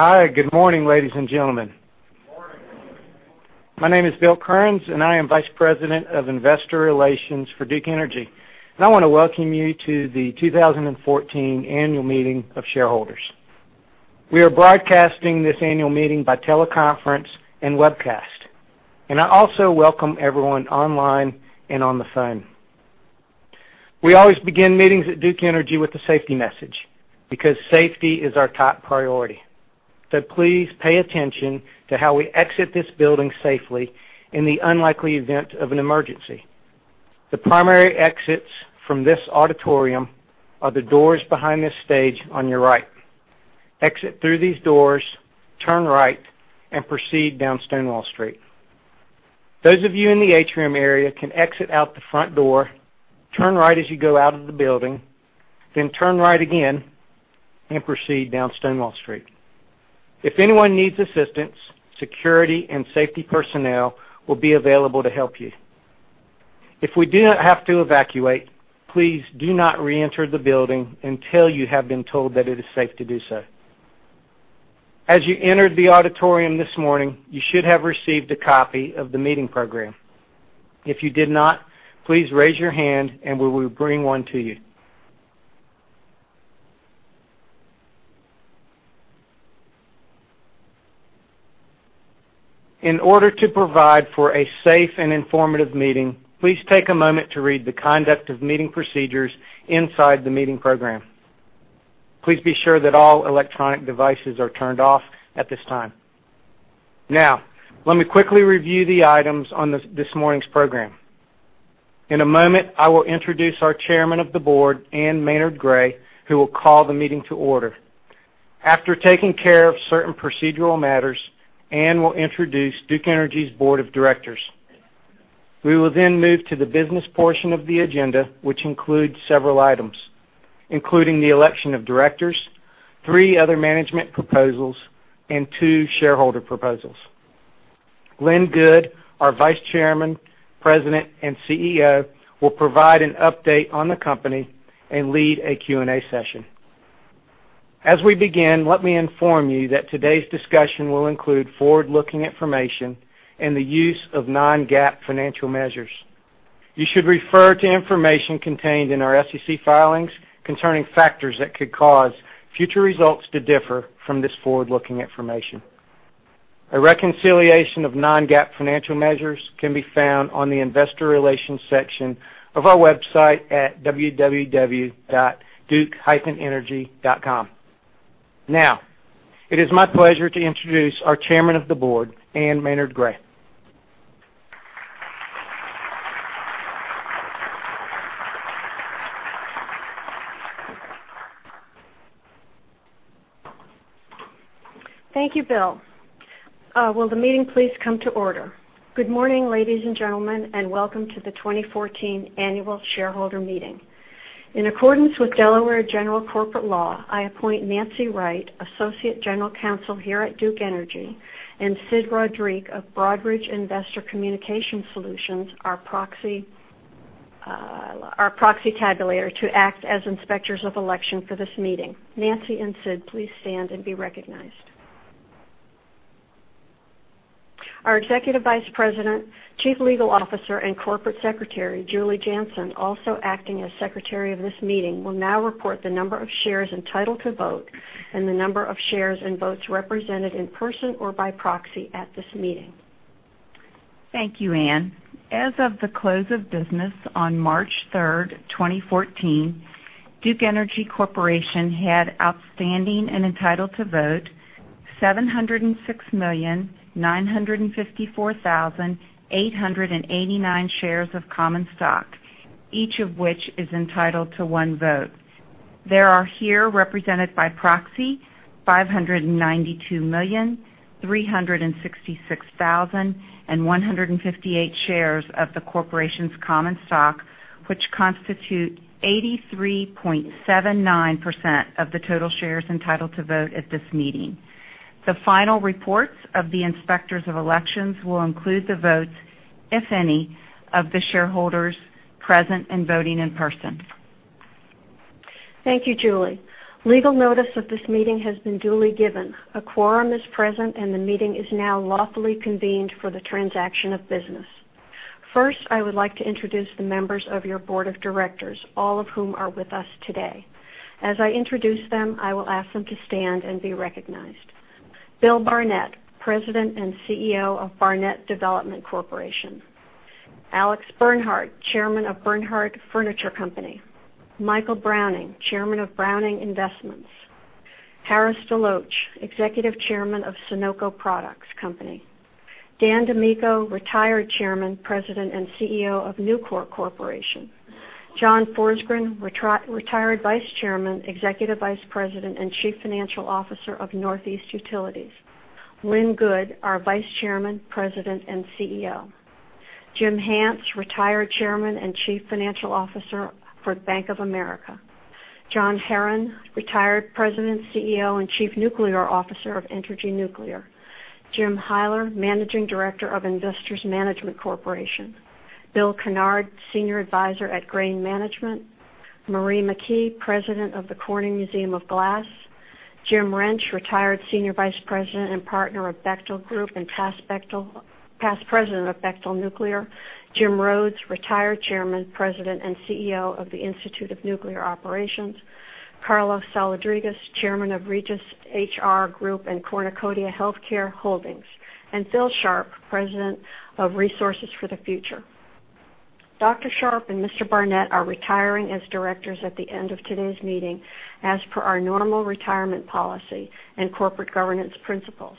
Hi. Good morning, ladies and gentlemen. Good morning. My name is Bill Currens, I am Vice President of Investor Relations for Duke Energy. I want to welcome you to the 2014 Annual Meeting of Shareholders. We are broadcasting this Annual Meeting by teleconference and webcast. I also welcome everyone online and on the phone. We always begin meetings at Duke Energy with a safety message, because safety is our top priority. Please pay attention to how we exit this building safely in the unlikely event of an emergency. The primary exits from this auditorium are the doors behind this stage on your right. Exit through these doors, turn right, and proceed down Stonewall Street. Those of you in the atrium area can exit out the front door, turn right as you go out of the building, then turn right again, and proceed down Stonewall Street. If anyone needs assistance, security and safety personnel will be available to help you. If we do have to evacuate, please do not reenter the building until you have been told that it is safe to do so. As you entered the auditorium this morning, you should have received a copy of the Meeting Program. If you did not, please raise your hand and we will bring one to you. In order to provide for a safe and informative meeting, please take a moment to read the conduct of meeting procedures inside the Meeting Program. Please be sure that all electronic devices are turned off at this time. Now, let me quickly review the items on this morning's program. In a moment, I will introduce our Chairman of the Board, Ann Maynard Gray, who will call the meeting to order. After taking care of certain procedural matters, Ann will introduce Duke Energy's Board of Directors. We will then move to the business portion of the agenda, which includes several items, including the election of directors, three other management proposals, and two shareholder proposals. Lynn Good, our Vice Chairman, President, and CEO, will provide an update on the company and lead a Q&A session. As we begin, let me inform you that today's discussion will include forward-looking information and the use of non-GAAP financial measures. You should refer to information contained in our SEC filings concerning factors that could cause future results to differ from this forward-looking information. A reconciliation of non-GAAP financial measures can be found on the investor relations section of our website at www.duke-energy.com. Now, it is my pleasure to introduce our Chairman of the Board, Ann Maynard Gray. Thank you, Bill. Will the meeting please come to order? Good morning, ladies and gentlemen, and welcome to the 2014 Annual Shareholder Meeting. In accordance with Delaware general corporate law, I appoint Nancy Wright, Associate General Counsel here at Duke Energy, and Sid Rodrigue of Broadridge Investor Communication Solutions, our proxy tabulator, to act as Inspectors of Election for this meeting. Nancy and Sid, please stand and be recognized. Our Executive Vice President, Chief Legal Officer, and Corporate Secretary, Julie Janson, also acting as Secretary of this meeting, will now report the number of shares entitled to vote and the number of shares and votes represented in person or by proxy at this meeting. Thank you, Ann. As of the close of business on March 3rd, 2014, Duke Energy Corporation had outstanding and entitled to vote 706,954,889 shares of common stock, each of which is entitled to one vote. There are here represented by proxy 592,366,158 shares of the corporation's common stock, which constitute 83.79% of the total shares entitled to vote at this meeting. The final reports of the Inspectors of Elections will include the votes, if any, of the shareholders present and voting in person. Thank you, Julie. Legal notice of this meeting has been duly given. A quorum is present, and the meeting is now lawfully convened for the transaction of business. First, I would like to introduce the members of your Board of Directors, all of whom are with us today. As I introduce them, I will ask them to stand and be recognized. Bill Barnett, President and CEO of Barnett Development Corporation. Alex Bernhardt, Chairman of Bernhardt Furniture Company. Michael Browning, Chairman of Browning Investments. Harris DeLoach, Executive Chairman of Sonoco Products Company. Dan DiMicco, Retired Chairman, President, and CEO of Nucor Corporation. John Forsgren, Retired Vice Chairman, Executive Vice President, and Chief Financial Officer of Northeast Utilities. Lynn Good, our Vice Chairman, President, and CEO. Jim Hance, Retired Chairman and Chief Financial Officer for Bank of America. John Herron, Retired President, CEO, and Chief Nuclear Officer of Entergy Nuclear. Jim Hyler, Managing Director of Investors Management Corporation. Bill Kennard, Senior Advisor at Grain Management. Marie McKee, President of The Corning Museum of Glass. Jim Renck, retired Senior Vice President and partner of Bechtel Group and past President of Bechtel Nuclear. Jim Rhodes, retired Chairman, President, and CEO of the Institute of Nuclear Power Operations. Carlos Saladrigas, Chairman of Regis HR Group and Concordia Healthcare Holdings, and Phil Sharp, President of Resources for the Future. Dr. Sharp and Mr. Barnett are retiring as directors at the end of today's meeting as per our normal retirement policy and corporate governance principles.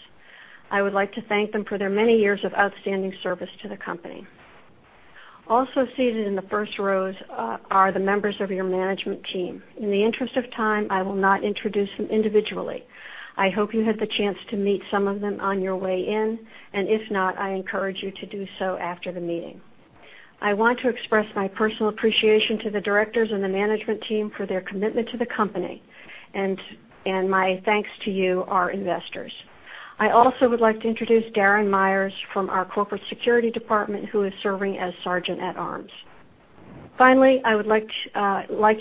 I would like to thank them for their many years of outstanding service to the company. Also seated in the first rows are the members of your management team. In the interest of time, I will not introduce them individually. I hope you had the chance to meet some of them on your way in, and if not, I encourage you to do so after the meeting. I want to express my personal appreciation to the directors and the management team for their commitment to the company and my thanks to you, our investors. I also would like to introduce Darren Myers from our Corporate Security Department, who is serving as sergeant-at-arms. Finally, I would like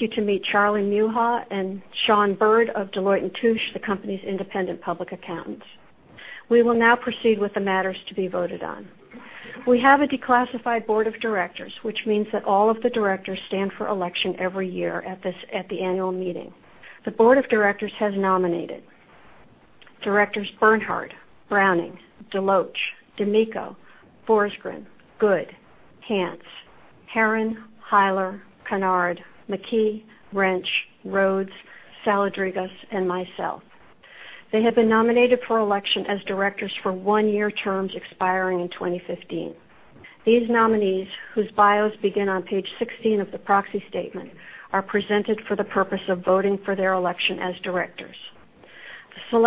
you to meet Charlie Muha and Sean Bird of Deloitte & Touche, the company's independent public accountants. We will now proceed with the matters to be voted on. We have a declassified board of directors, which means that all of the directors stand for election every year at the annual meeting. The board of directors has nominated Directors Bernhardt, Browning, DeLoach, DiMicco, Forsgren, Good, Hance, Herron, Hyler, Kennard, McKee, Rench, Rhodes, Saladrigas, and myself. They have been nominated for election as directors for one-year terms expiring in 2015. These nominees, whose bios begin on page 16 of the proxy statement, are presented for the purpose of voting for their election as directors. The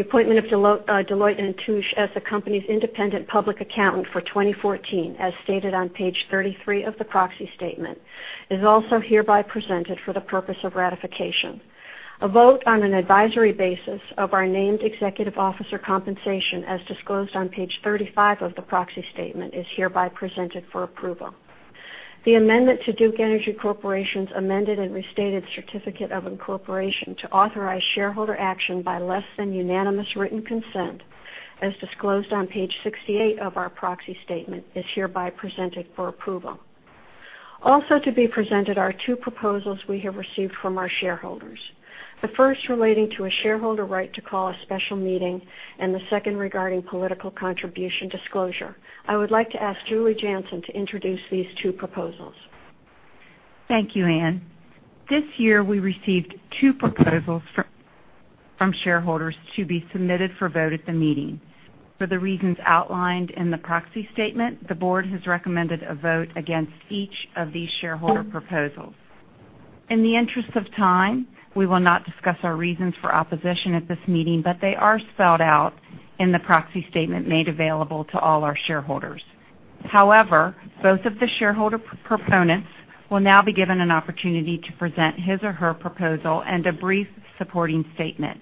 appointment of Deloitte & Touche as the company's independent public accountant for 2014, as stated on page 33 of the proxy statement, is also hereby presented for the purpose of ratification. A vote on an advisory basis of our named executive officer compensation, as disclosed on page 35 of the proxy statement, is hereby presented for approval. The amendment to Duke Energy Corporation's amended and restated certificate of incorporation to authorize shareholder action by less than unanimous written consent, as disclosed on page 68 of our proxy statement, is hereby presented for approval. Also to be presented are two proposals we have received from our shareholders. The first relating to a shareholder right to call a special meeting, and the second regarding political contribution disclosure. I would like to ask Julie Janson to introduce these two proposals. Thank you, Ann. This year, we received two proposals from shareholders to be submitted for vote at the meeting. For the reasons outlined in the proxy statement, the board has recommended a vote against each of these shareholder proposals. In the interest of time, we will not discuss our reasons for opposition at this meeting, but they are spelled out in the proxy statement made available to all our shareholders. However, both of the shareholder proponents will now be given an opportunity to present his or her proposal and a brief supporting statement.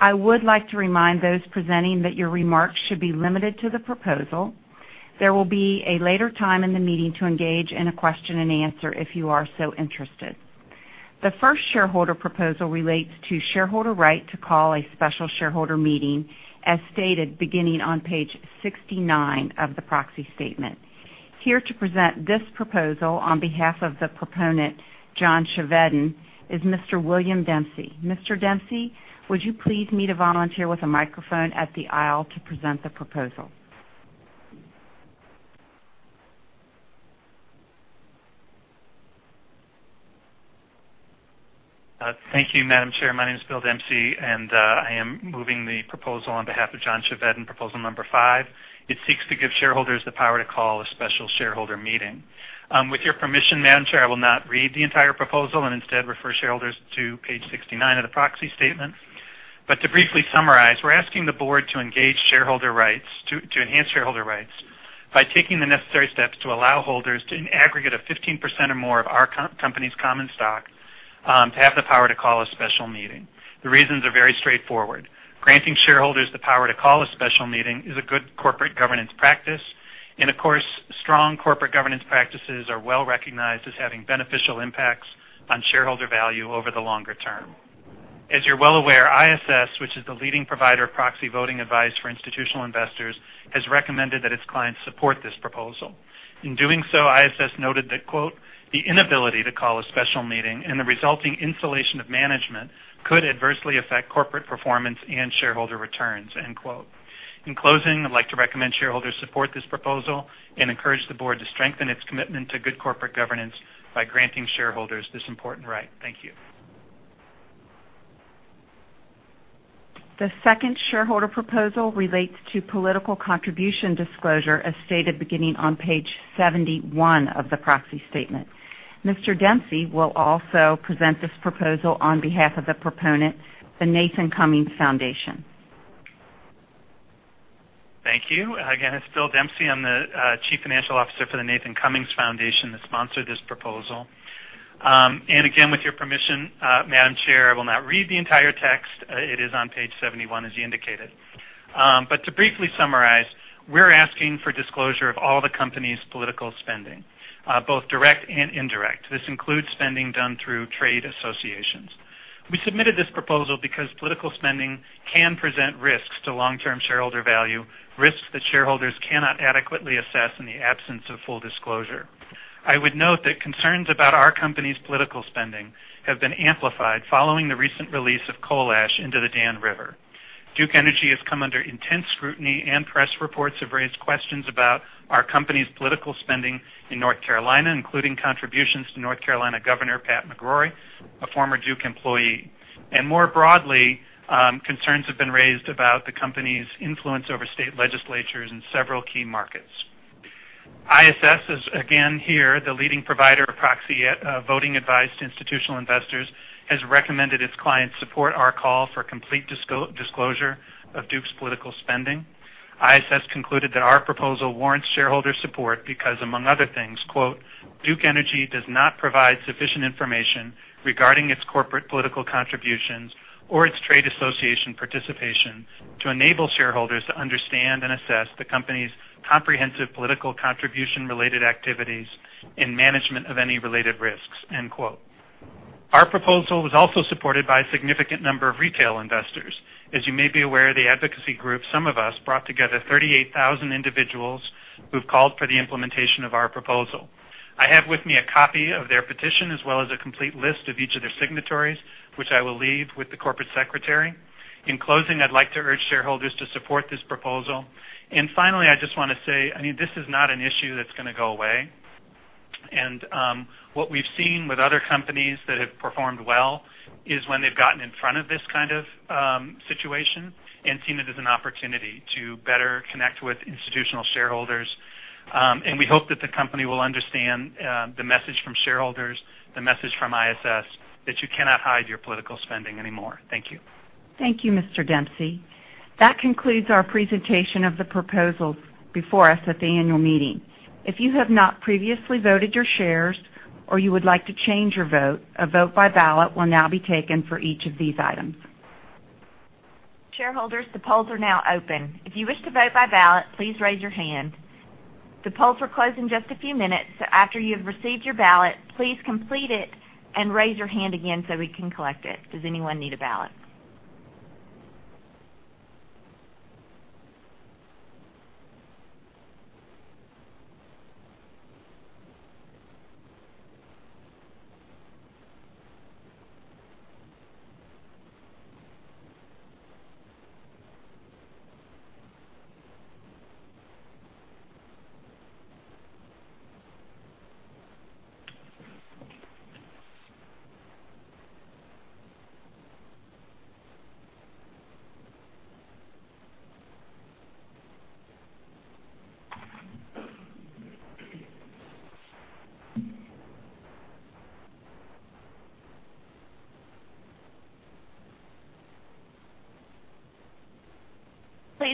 I would like to remind those presenting that your remarks should be limited to the proposal. There will be a later time in the meeting to engage in a question and answer if you are so interested. The first shareholder proposal relates to shareholder right to call a special shareholder meeting, as stated beginning on page 69 of the proxy statement. Here to present this proposal on behalf of the proponent, John Chevedden, is Mr. William Dempsey. Mr. Dempsey, would you please meet a volunteer with a microphone at the aisle to present the proposal? Thank you, Madam Chair. My name is Bill Dempsey. I am moving the proposal on behalf of John Chevedden, proposal number five. It seeks to give shareholders the power to call a special shareholder meeting. With your permission, Madam Chair, I will not read the entire proposal and instead refer shareholders to page 69 of the proxy statement. To briefly summarize, we're asking the board to enhance shareholder rights by taking the necessary steps to allow holders to aggregate a 15% or more of our company's common stock to have the power to call a special meeting. The reasons are very straightforward. Granting shareholders the power to call a special meeting is a good corporate governance practice. Of course, strong corporate governance practices are well-recognized as having beneficial impacts on shareholder value over the longer term. As you're well aware, ISS, which is the leading provider of proxy voting advice for institutional investors, has recommended that its clients support this proposal. In doing so, ISS noted that, quote, "The inability to call a special meeting and the resulting insulation of management could adversely affect corporate performance and shareholder returns." End quote. In closing, I'd like to recommend shareholders support this proposal and encourage the board to strengthen its commitment to good corporate governance by granting shareholders this important right. Thank you. The second shareholder proposal relates to political contribution disclosure, as stated beginning on page 71 of the proxy statement. Mr. Dempsey will also present this proposal on behalf of the proponent, the Nathan Cummings Foundation. Thank you. Again, it's Bill Dempsey. I'm the Chief Financial Officer for the Nathan Cummings Foundation that sponsored this proposal. Again, with your permission, Madam Chair, I will not read the entire text. It is on page 71, as you indicated. To briefly summarize, we're asking for disclosure of all the company's political spending, both direct and indirect. This includes spending done through trade associations. We submitted this proposal because political spending can present risks to long-term shareholder value, risks that shareholders cannot adequately assess in the absence of full disclosure. I would note that concerns about our company's political spending have been amplified following the recent release of coal ash into the Dan River. Duke Energy has come under intense scrutiny, and press reports have raised questions about our company's political spending in North Carolina, including contributions to North Carolina Governor Pat McCrory, a former Duke employee. More broadly, concerns have been raised about the company's influence over state legislatures in several key markets. ISS is, again here, the leading provider of proxy voting advice to institutional investors, has recommended its clients support our call for complete disclosure of Duke's political spending. ISS concluded that our proposal warrants shareholder support because, among other things, quote, "Duke Energy does not provide sufficient information regarding its corporate political contributions or its trade association participation to enable shareholders to understand and assess the company's comprehensive political contribution-related activities and management of any related risks." End quote. Our proposal was also supported by a significant number of retail investors. As you may be aware, the advocacy group SumOfUs brought together 38,000 individuals who've called for the implementation of our proposal. I have with me a copy of their petition, as well as a complete list of each of their signatories, which I will leave with the Corporate Secretary. In closing, I'd like to urge shareholders to support this proposal. Finally, I just want to say, this is not an issue that's going to go away. What we've seen with other companies that have performed well is when they've gotten in front of this kind of situation and seen it as an opportunity to better connect with institutional shareholders. We hope that the company will understand the message from shareholders, the message from ISS, that you cannot hide your political spending anymore. Thank you. Thank you, Mr. Dempsey. That concludes our presentation of the proposals before us at the annual meeting. If you have not previously voted your shares or you would like to change your vote, a vote by ballot will now be taken for each of these items. Shareholders, the polls are now open. If you wish to vote by ballot, please raise your hand. The polls will close in just a few minutes, so after you have received your ballot, please complete it and raise your hand again so we can collect it. Does anyone need a ballot?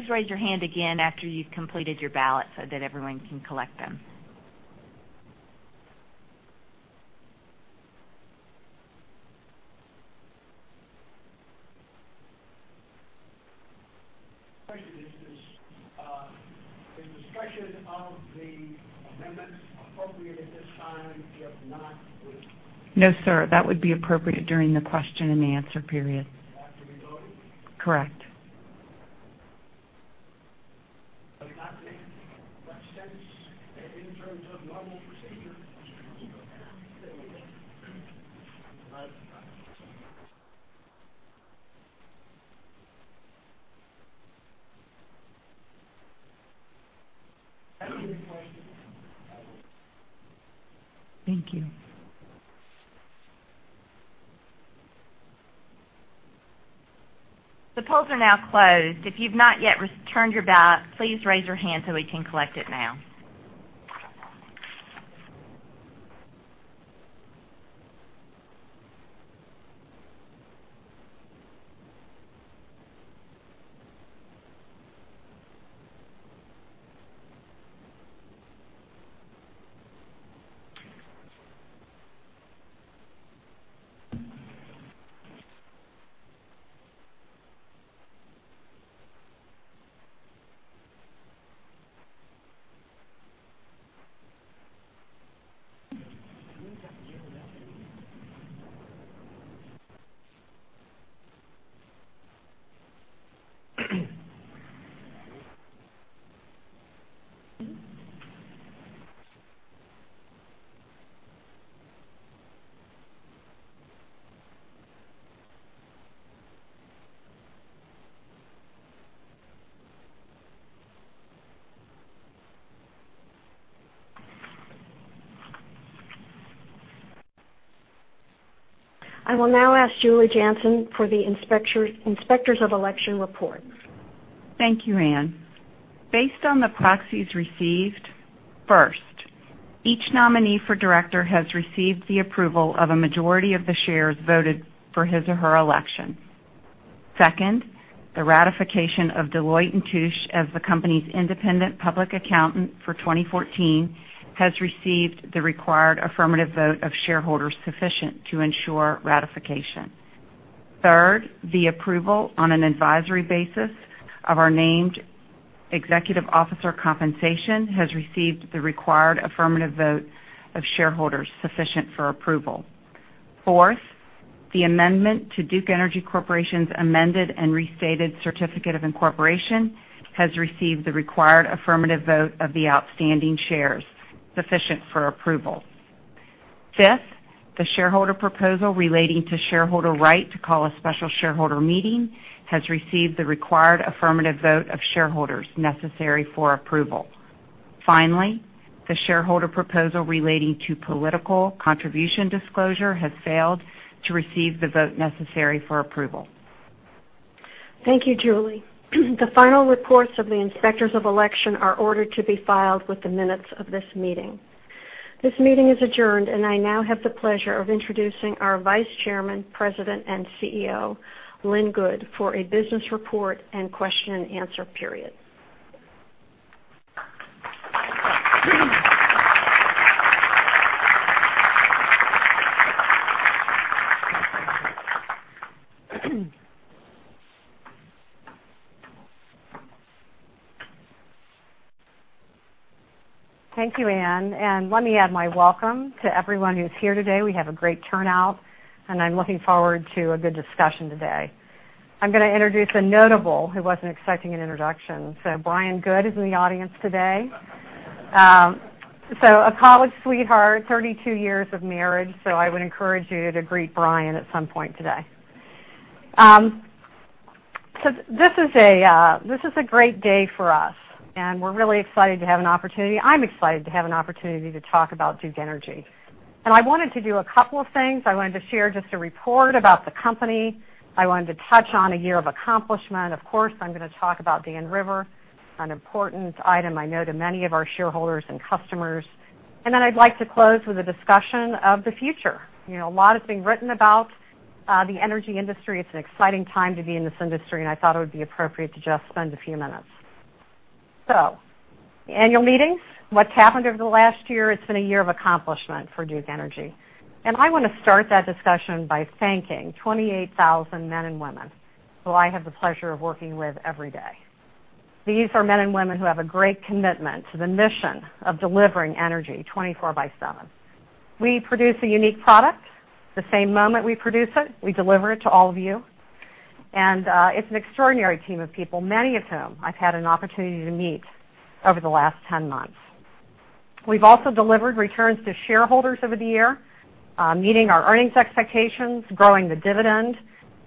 Please raise your hand again after you've completed your ballot so that everyone can collect them. Question. Is the discussion of the amendments appropriate at this time? No, sir. That would be appropriate during the question and the answer period. After we voted? Correct. It does not make much sense in terms of normal procedure. Thank you. The polls are now closed. If you've not yet returned your ballot, please raise your hand so we can collect it now. I will now ask Julie Janson for the inspectors of election report. Thank you, Ann. Based on the proxies received, first, each nominee for Director has received the approval of a majority of the shares voted for his or her election. Second, the ratification of Deloitte & Touche as the company's independent public accountant for 2014 has received the required affirmative vote of shareholders sufficient to ensure ratification. Third, the approval on an advisory basis of our named executive officer compensation has received the required affirmative vote of shareholders sufficient for approval. Fourth, the amendment to Duke Energy Corporation's amended and restated certificate of incorporation has received the required affirmative vote of the outstanding shares sufficient for approval. Fifth, the shareholder proposal relating to shareholder right to call a special shareholder meeting has received the required affirmative vote of shareholders necessary for approval. Finally, the shareholder proposal relating to political contribution disclosure has failed to receive the vote necessary for approval. Thank you, Julie. The final reports of the inspectors of election are ordered to be filed with the minutes of this meeting. This meeting is adjourned, I now have the pleasure of introducing our Vice Chairman, President, and CEO, Lynn Good, for a business report and question and answer period. Thank you, Ann. Let me add my welcome to everyone who's here today. We have a great turnout, I'm looking forward to a good discussion today. I'm going to introduce a notable who wasn't expecting an introduction. Brian Good is in the audience today. A college sweetheart, 32 years of marriage, I would encourage you to greet Brian at some point today. This is a great day for us, we're really excited to have an opportunity. I'm excited to have an opportunity to talk about Duke Energy. I wanted to do a couple of things. I wanted to share just a report about the company. I wanted to touch on a year of accomplishment. Of course, I'm going to talk about Dan River, an important item I know to many of our shareholders and customers. I'd like to close with a discussion of the future. A lot has been written about the energy industry. It's an exciting time to be in this industry, I thought it would be appropriate to just spend a few minutes. Annual meetings, what's happened over the last year, it's been a year of accomplishment for Duke Energy. I want to start that discussion by thanking 28,000 men and women who I have the pleasure of working with every day. These are men and women who have a great commitment to the mission of delivering energy 24 by seven. We produce a unique product. The same moment we produce it, we deliver it to all of you. It's an extraordinary team of people, many of whom I've had an opportunity to meet over the last 10 months. We've also delivered returns to shareholders over the year, meeting our earnings expectations, growing the dividend.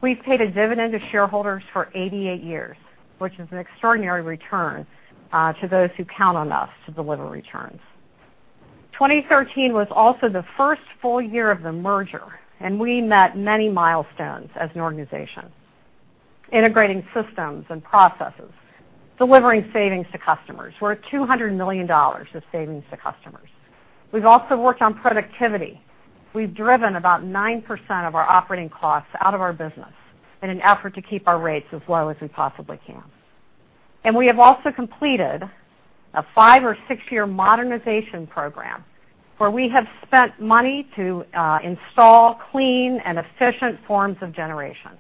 We've paid a dividend to shareholders for 88 years, which is an extraordinary return to those who count on us to deliver returns. 2013 was also the first full year of the merger, we met many milestones as an organization, integrating systems and processes, delivering savings to customers. We're at $200 million of savings to customers. We've also worked on productivity. We've driven about 9% of our operating costs out of our business in an effort to keep our rates as low as we possibly can. We have also completed a five or six-year modernization program where we have spent money to install clean and efficient forms of generation,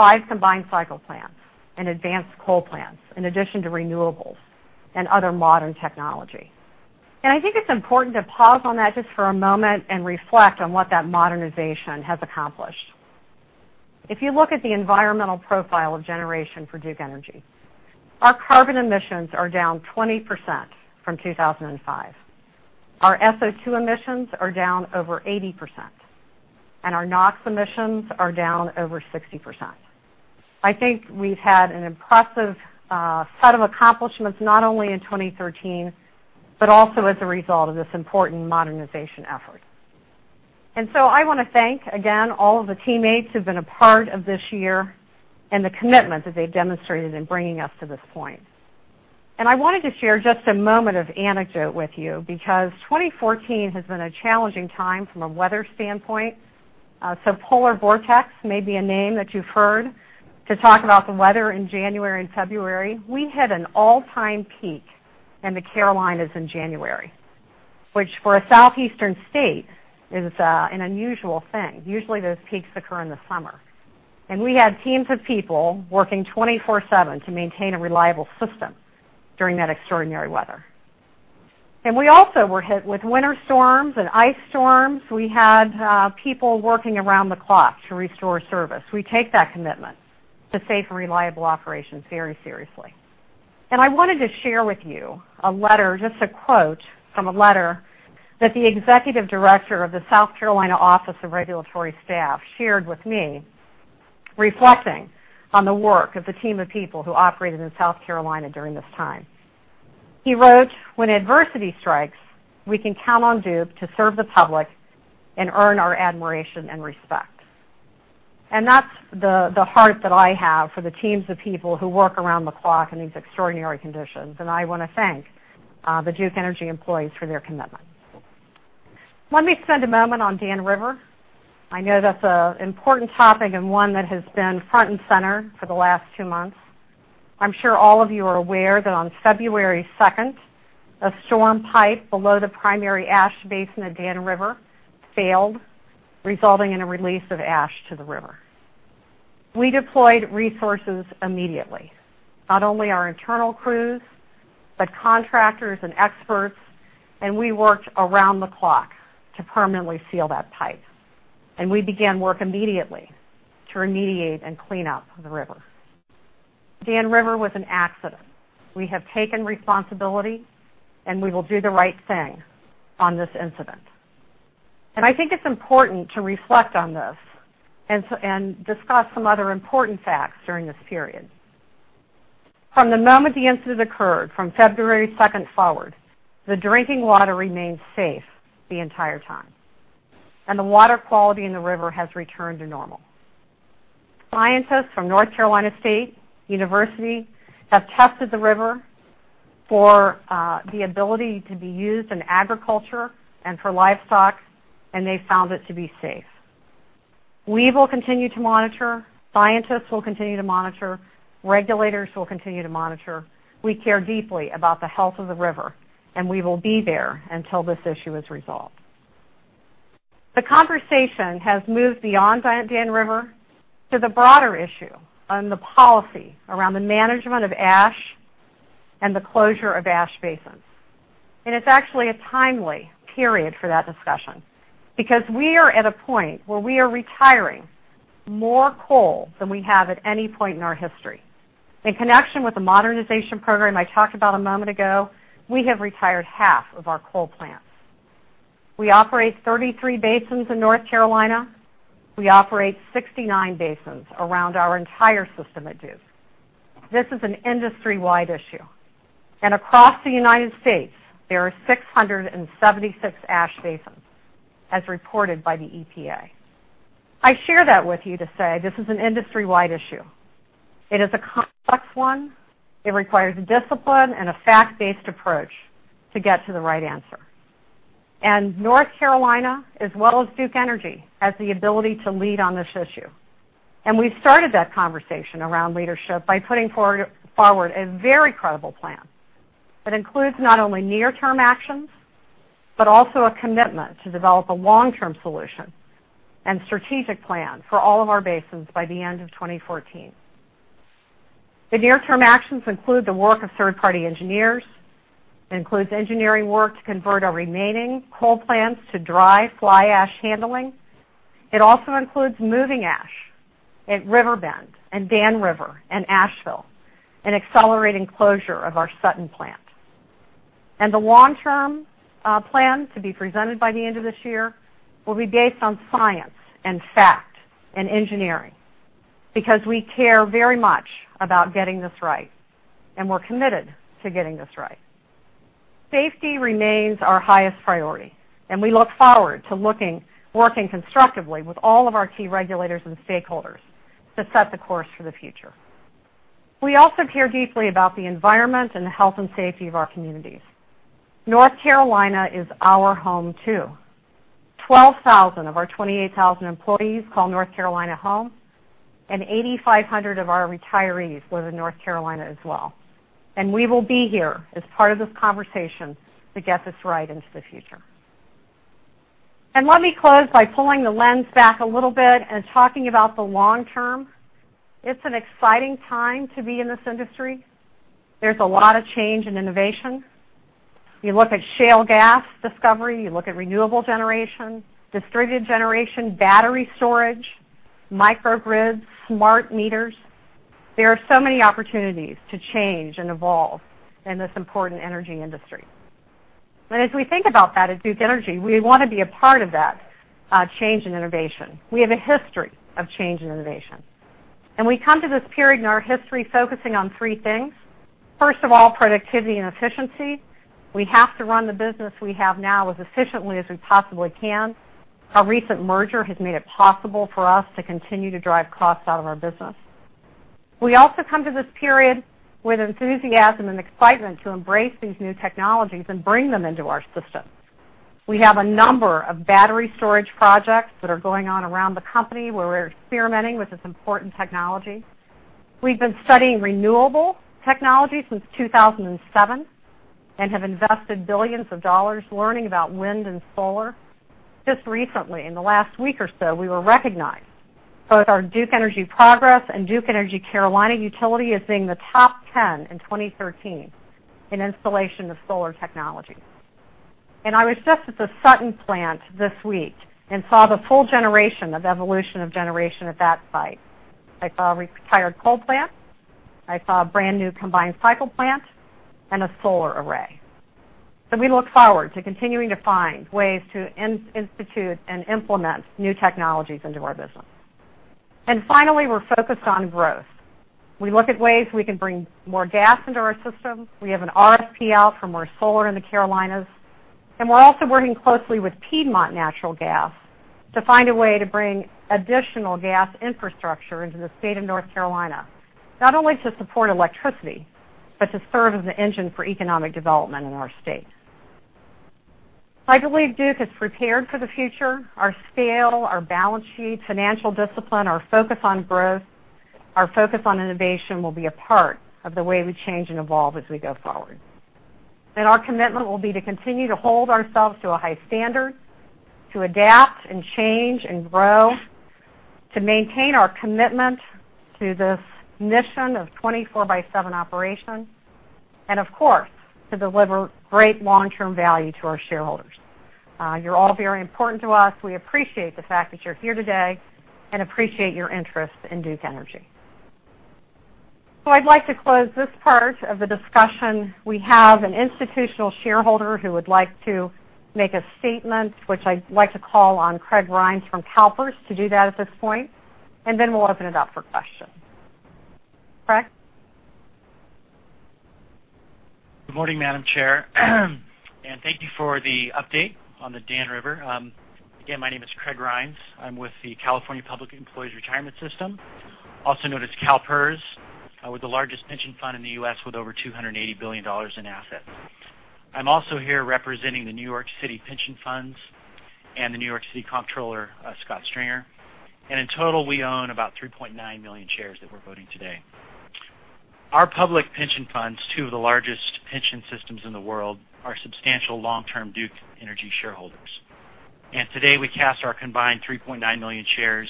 five combined cycle plants and advanced coal plants, in addition to renewables and other modern technology. I think it's important to pause on that just for a moment and reflect on what that modernization has accomplished. If you look at the environmental profile of generation for Duke Energy, our carbon emissions are down 20% from 2005. Our SO2 emissions are down over 80%, our NOx emissions are down over 60%. I think we've had an impressive set of accomplishments, not only in 2013, but also as a result of this important modernization effort. I want to thank again, all of the teammates who've been a part of this year and the commitment that they've demonstrated in bringing us to this point. I wanted to share just a moment of anecdote with you because 2014 has been a challenging time from a weather standpoint. Polar vortex may be a name that you've heard to talk about the weather in January and February. We hit an all-time peak in the Carolinas in January, which for a southeastern state is an unusual thing. Usually those peaks occur in the summer. We had teams of people working 24/7 to maintain a reliable system during that extraordinary weather. We also were hit with winter storms and ice storms. We had people working around the clock to restore service. We take that commitment to safe and reliable operations very seriously. I wanted to share with you a letter, just a quote from a letter that the executive director of the South Carolina Office of Regulatory Staff shared with me, reflecting on the work of the team of people who operated in South Carolina during this time. He wrote, "When adversity strikes, we can count on Duke to serve the public and earn our admiration and respect." That's the heart that I have for the teams of people who work around the clock in these extraordinary conditions. I want to thank the Duke Energy employees for their commitment. Let me spend a moment on Dan River. I know that's an important topic and one that has been front and center for the last 2 months. I'm sure all of you are aware that on February 2nd, a storm pipe below the primary ash basin at Dan River failed, resulting in a release of ash to the river. We deployed resources immediately. Not only our internal crews, but contractors and experts, we worked around the clock to permanently seal that pipe. We began work immediately to remediate and clean up the river. Dan River was an accident. We have taken responsibility, we will do the right thing on this incident. I think it's important to reflect on this and discuss some other important facts during this period. From the moment the incident occurred, from February 2nd forward, the drinking water remained safe the entire time. The water quality in the river has returned to normal. Scientists from North Carolina State University have tested the river for the ability to be used in agriculture and for livestock, they found it to be safe. We will continue to monitor, scientists will continue to monitor, regulators will continue to monitor. We care deeply about the health of the river, we will be there until this issue is resolved. The conversation has moved beyond Dan River to the broader issue on the policy around the management of ash and the closure of ash basins. It's actually a timely period for that discussion because we are at a point where we are retiring more coal than we have at any point in our history. In connection with the modernization program I talked about a moment ago, we have retired half of our coal plants. We operate 33 basins in North Carolina. We operate 69 basins around our entire system at Duke. This is an industry-wide issue. Across the U.S., there are 676 ash basins, as reported by the EPA. I share that with you to say this is an industry-wide issue. It is a complex one. It requires discipline and a fact-based approach to get to the right answer. North Carolina, as well as Duke Energy, has the ability to lead on this issue. We've started that conversation around leadership by putting forward a very credible plan that includes not only near-term actions, but also a commitment to develop a long-term solution and strategic plan for all of our basins by the end of 2014. The near-term actions include the work of third-party engineers. It includes engineering work to convert our remaining coal plants to dry fly ash handling. It also includes moving ash at Riverbend and Dan River and Asheville and accelerating closure of our Sutton plant. The long-term plan to be presented by the end of this year will be based on science and fact and engineering because we care very much about getting this right, we're committed to getting this right. Safety remains our highest priority, we look forward to working constructively with all of our key regulators and stakeholders to set the course for the future. We also care deeply about the environment and the health and safety of our communities. North Carolina is our home, too. 12,000 of our 28,000 employees call North Carolina home, and 8,500 of our retirees live in North Carolina as well. We will be here as part of this conversation to get this right into the future. Let me close by pulling the lens back a little bit and talking about the long term. It's an exciting time to be in this industry. There's a lot of change and innovation. You look at shale gas discovery, you look at renewable generation, distributed generation, battery storage, microgrids, smart meters. There are so many opportunities to change and evolve in this important energy industry. As we think about that at Duke Energy, we want to be a part of that change and innovation. We have a history of change and innovation. We come to this period in our history focusing on three things. First of all, productivity and efficiency. We have to run the business we have now as efficiently as we possibly can. Our recent merger has made it possible for us to continue to drive costs out of our business. We also come to this period with enthusiasm and excitement to embrace these new technologies and bring them into our system. We have a number of battery storage projects that are going on around the company where we're experimenting with this important technology. We've been studying renewable technology since 2007 and have invested billions of dollars learning about wind and solar. Just recently, in the last week or so, we were recognized, both our Duke Energy Progress and Duke Energy Carolinas utility as being the top 10 in 2013 in installation of solar technology. I was just at the Sutton plant this week and saw the full generation of evolution of generation at that site. I saw a retired coal plant. I saw a brand-new combined cycle plant and a solar array. We look forward to continuing to find ways to institute and implement new technologies into our business. Finally, we're focused on growth. We look at ways we can bring more gas into our system. We have an RFP out for more solar in the Carolinas. We're also working closely with Piedmont Natural Gas to find a way to bring additional gas infrastructure into the state of North Carolina, not only to support electricity, but to serve as an engine for economic development in our state. I believe Duke is prepared for the future. Our scale, our balance sheet, financial discipline, our focus on growth, our focus on innovation will be a part of the way we change and evolve as we go forward. Our commitment will be to continue to hold ourselves to a high standard, to adapt and change and grow, to maintain our commitment to this mission of 24 by seven operation, and of course, to deliver great long-term value to our shareholders. You're all very important to us. We appreciate the fact that you're here today and appreciate your interest in Duke Energy. I'd like to close this part of the discussion. We have an institutional shareholder who would like to make a statement, which I'd like to call on Craig Rines from CalPERS to do that at this point. Then we'll open it up for questions. Craig? Good morning, Madam Chair. Thank you for the update on the Dan River. Again, my name is Craig Rhines. I'm with the California Public Employees' Retirement System, also known as CalPERS. We're the largest pension fund in the U.S. with over $280 billion in assets. I'm also here representing the New York City Pension Funds and the New York City Comptroller, Scott Stringer. In total, we own about 3.9 million shares that we're voting today. Our public pension funds, two of the largest pension systems in the world, are substantial long-term Duke Energy shareholders. Today, we cast our combined 3.9 million shares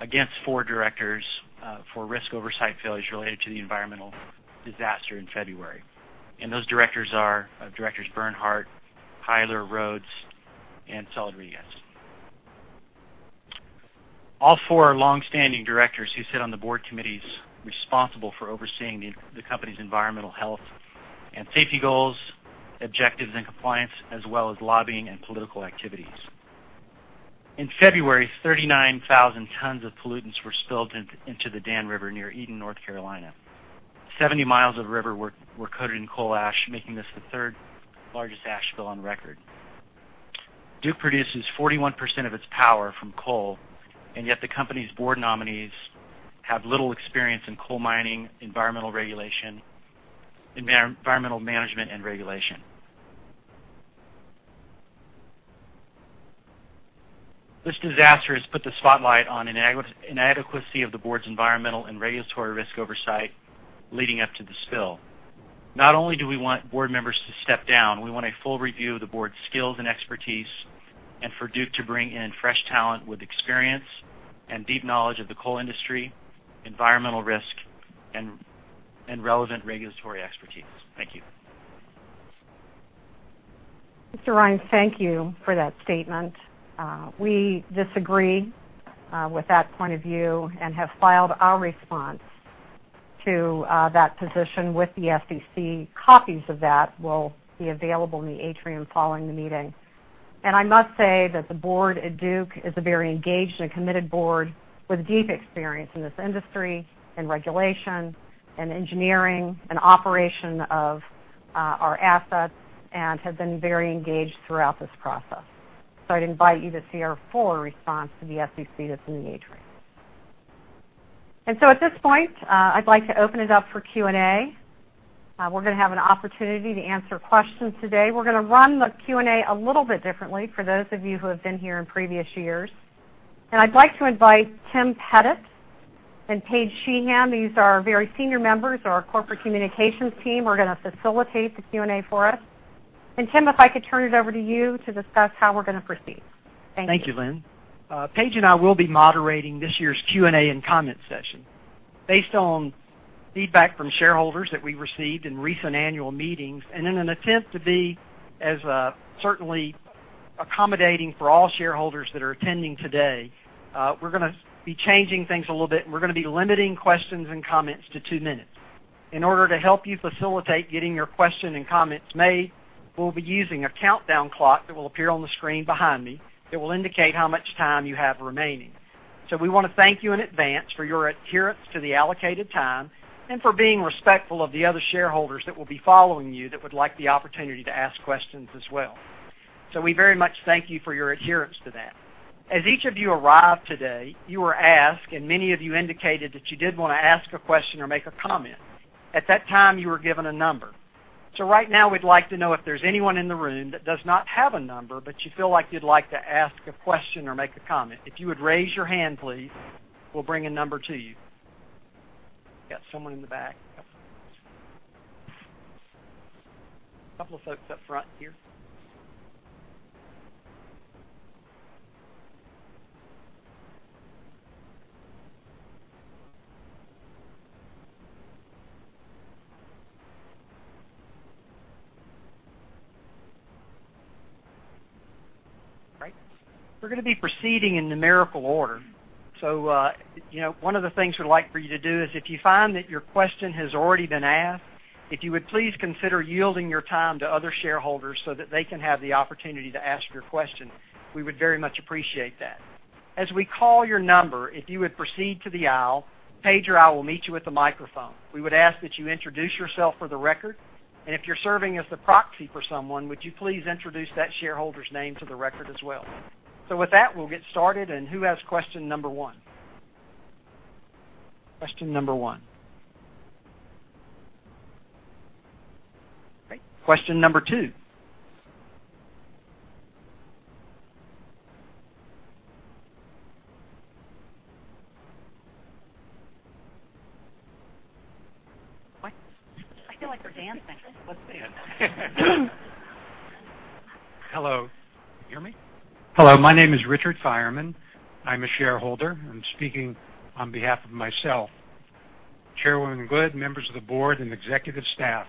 against four directors for risk oversight failures related to the environmental disaster in February. Those directors are Directors Bernhardt, Hiler, Rhodes, and Saladrigas. All four are longstanding directors who sit on the board committees responsible for overseeing the company's environmental health and safety goals, objectives, and compliance, as well as lobbying and political activities. In February, 39,000 tons of pollutants were spilled into the Dan River near Eden, North Carolina. Seventy miles of river were coated in coal ash, making this the third-largest ash spill on record. Duke produces 41% of its power from coal, yet the company's board nominees have little experience in coal mining, environmental management, and regulation. This disaster has put the spotlight on inadequacy of the board's environmental and regulatory risk oversight leading up to the spill. Not only do we want board members to step down, we want a full review of the board's skills and expertise and for Duke to bring in fresh talent with experience and deep knowledge of the coal industry, environmental risk, and relevant regulatory expertise. Thank you. Mr. Rines, thank you for that statement. We disagree with that point of view and have filed our response to that position with the SEC. Copies of that will be available in the atrium following the meeting. I must say that the board at Duke is a very engaged and committed board with deep experience in this industry, in regulation, in engineering, and operation of our assets and have been very engaged throughout this process. I'd invite you to see our full response to the SEC that's in the atrium. At this point, I'd like to open it up for Q&A. We're going to have an opportunity to answer questions today. We're going to run the Q&A a little bit differently for those of you who have been here in previous years. I'd like to invite Tim Pettit and Paige Sheehan. These are very senior members of our corporate communications team, who are going to facilitate the Q&A for us. Tim, if I could turn it over to you to discuss how we're going to proceed. Thank you. Thank you, Lynn. Paige and I will be moderating this year's Q&A and comment session. Based on feedback from shareholders that we received in recent annual meetings and in an attempt to be as certainly accommodating for all shareholders that are attending today, we're going to be changing things a little bit, and we're going to be limiting questions and comments to two minutes. In order to help you facilitate getting your question and comments made, we'll be using a countdown clock that will appear on the screen behind me that will indicate how much time you have remaining. We want to thank you in advance for your adherence to the allocated time and for being respectful of the other shareholders that will be following you that would like the opportunity to ask questions as well. We very much thank you for your adherence to that. As each of you arrived today, you were asked, and many of you indicated that you did want to ask a question or make a comment. At that time, you were given a number. Right now, we'd like to know if there's anyone in the room that does not have a number, but you feel like you'd like to ask a question or make a comment. If you would raise your hand, please, we'll bring a number to you. Got someone in the back. Couple of folks up front here. Right. We're going to be proceeding in numerical order. One of the things we'd like for you to do is if you find that your question has already been asked, if you would please consider yielding your time to other shareholders so that they can have the opportunity to ask their question. We would very much appreciate that. As we call your number, if you would proceed to the aisle, a pager aisle will meet you with a microphone. We would ask that you introduce yourself for the record, and if you're serving as the proxy for someone, would you please introduce that shareholder's name to the record as well? With that, we'll get started and who has question number one? Question number one. Okay, question number two. What? I feel like we're dancing. Hello. Can you hear me? Hello, my name is Richard Fireman. I'm a shareholder, and I'm speaking on behalf of myself. Chairwoman Good, members of the board, and executive staff,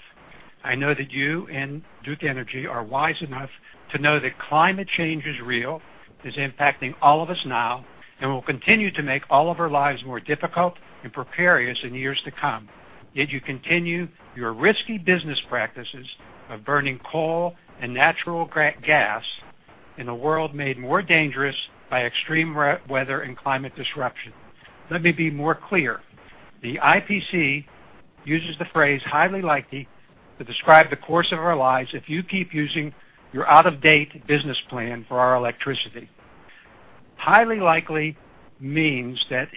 I know that you and Duke Energy are wise enough to know that climate change is real, is impacting all of us now, and will continue to make all of our lives more difficult and precarious in years to come if you continue your risky business practices of burning coal and natural gas in a world made more dangerous by extreme weather and climate disruption. Let me be more clear. The IPCC uses the phrase highly likely to describe the course of our lives if you keep using your out-of-date business plan for our electricity. Highly likely means that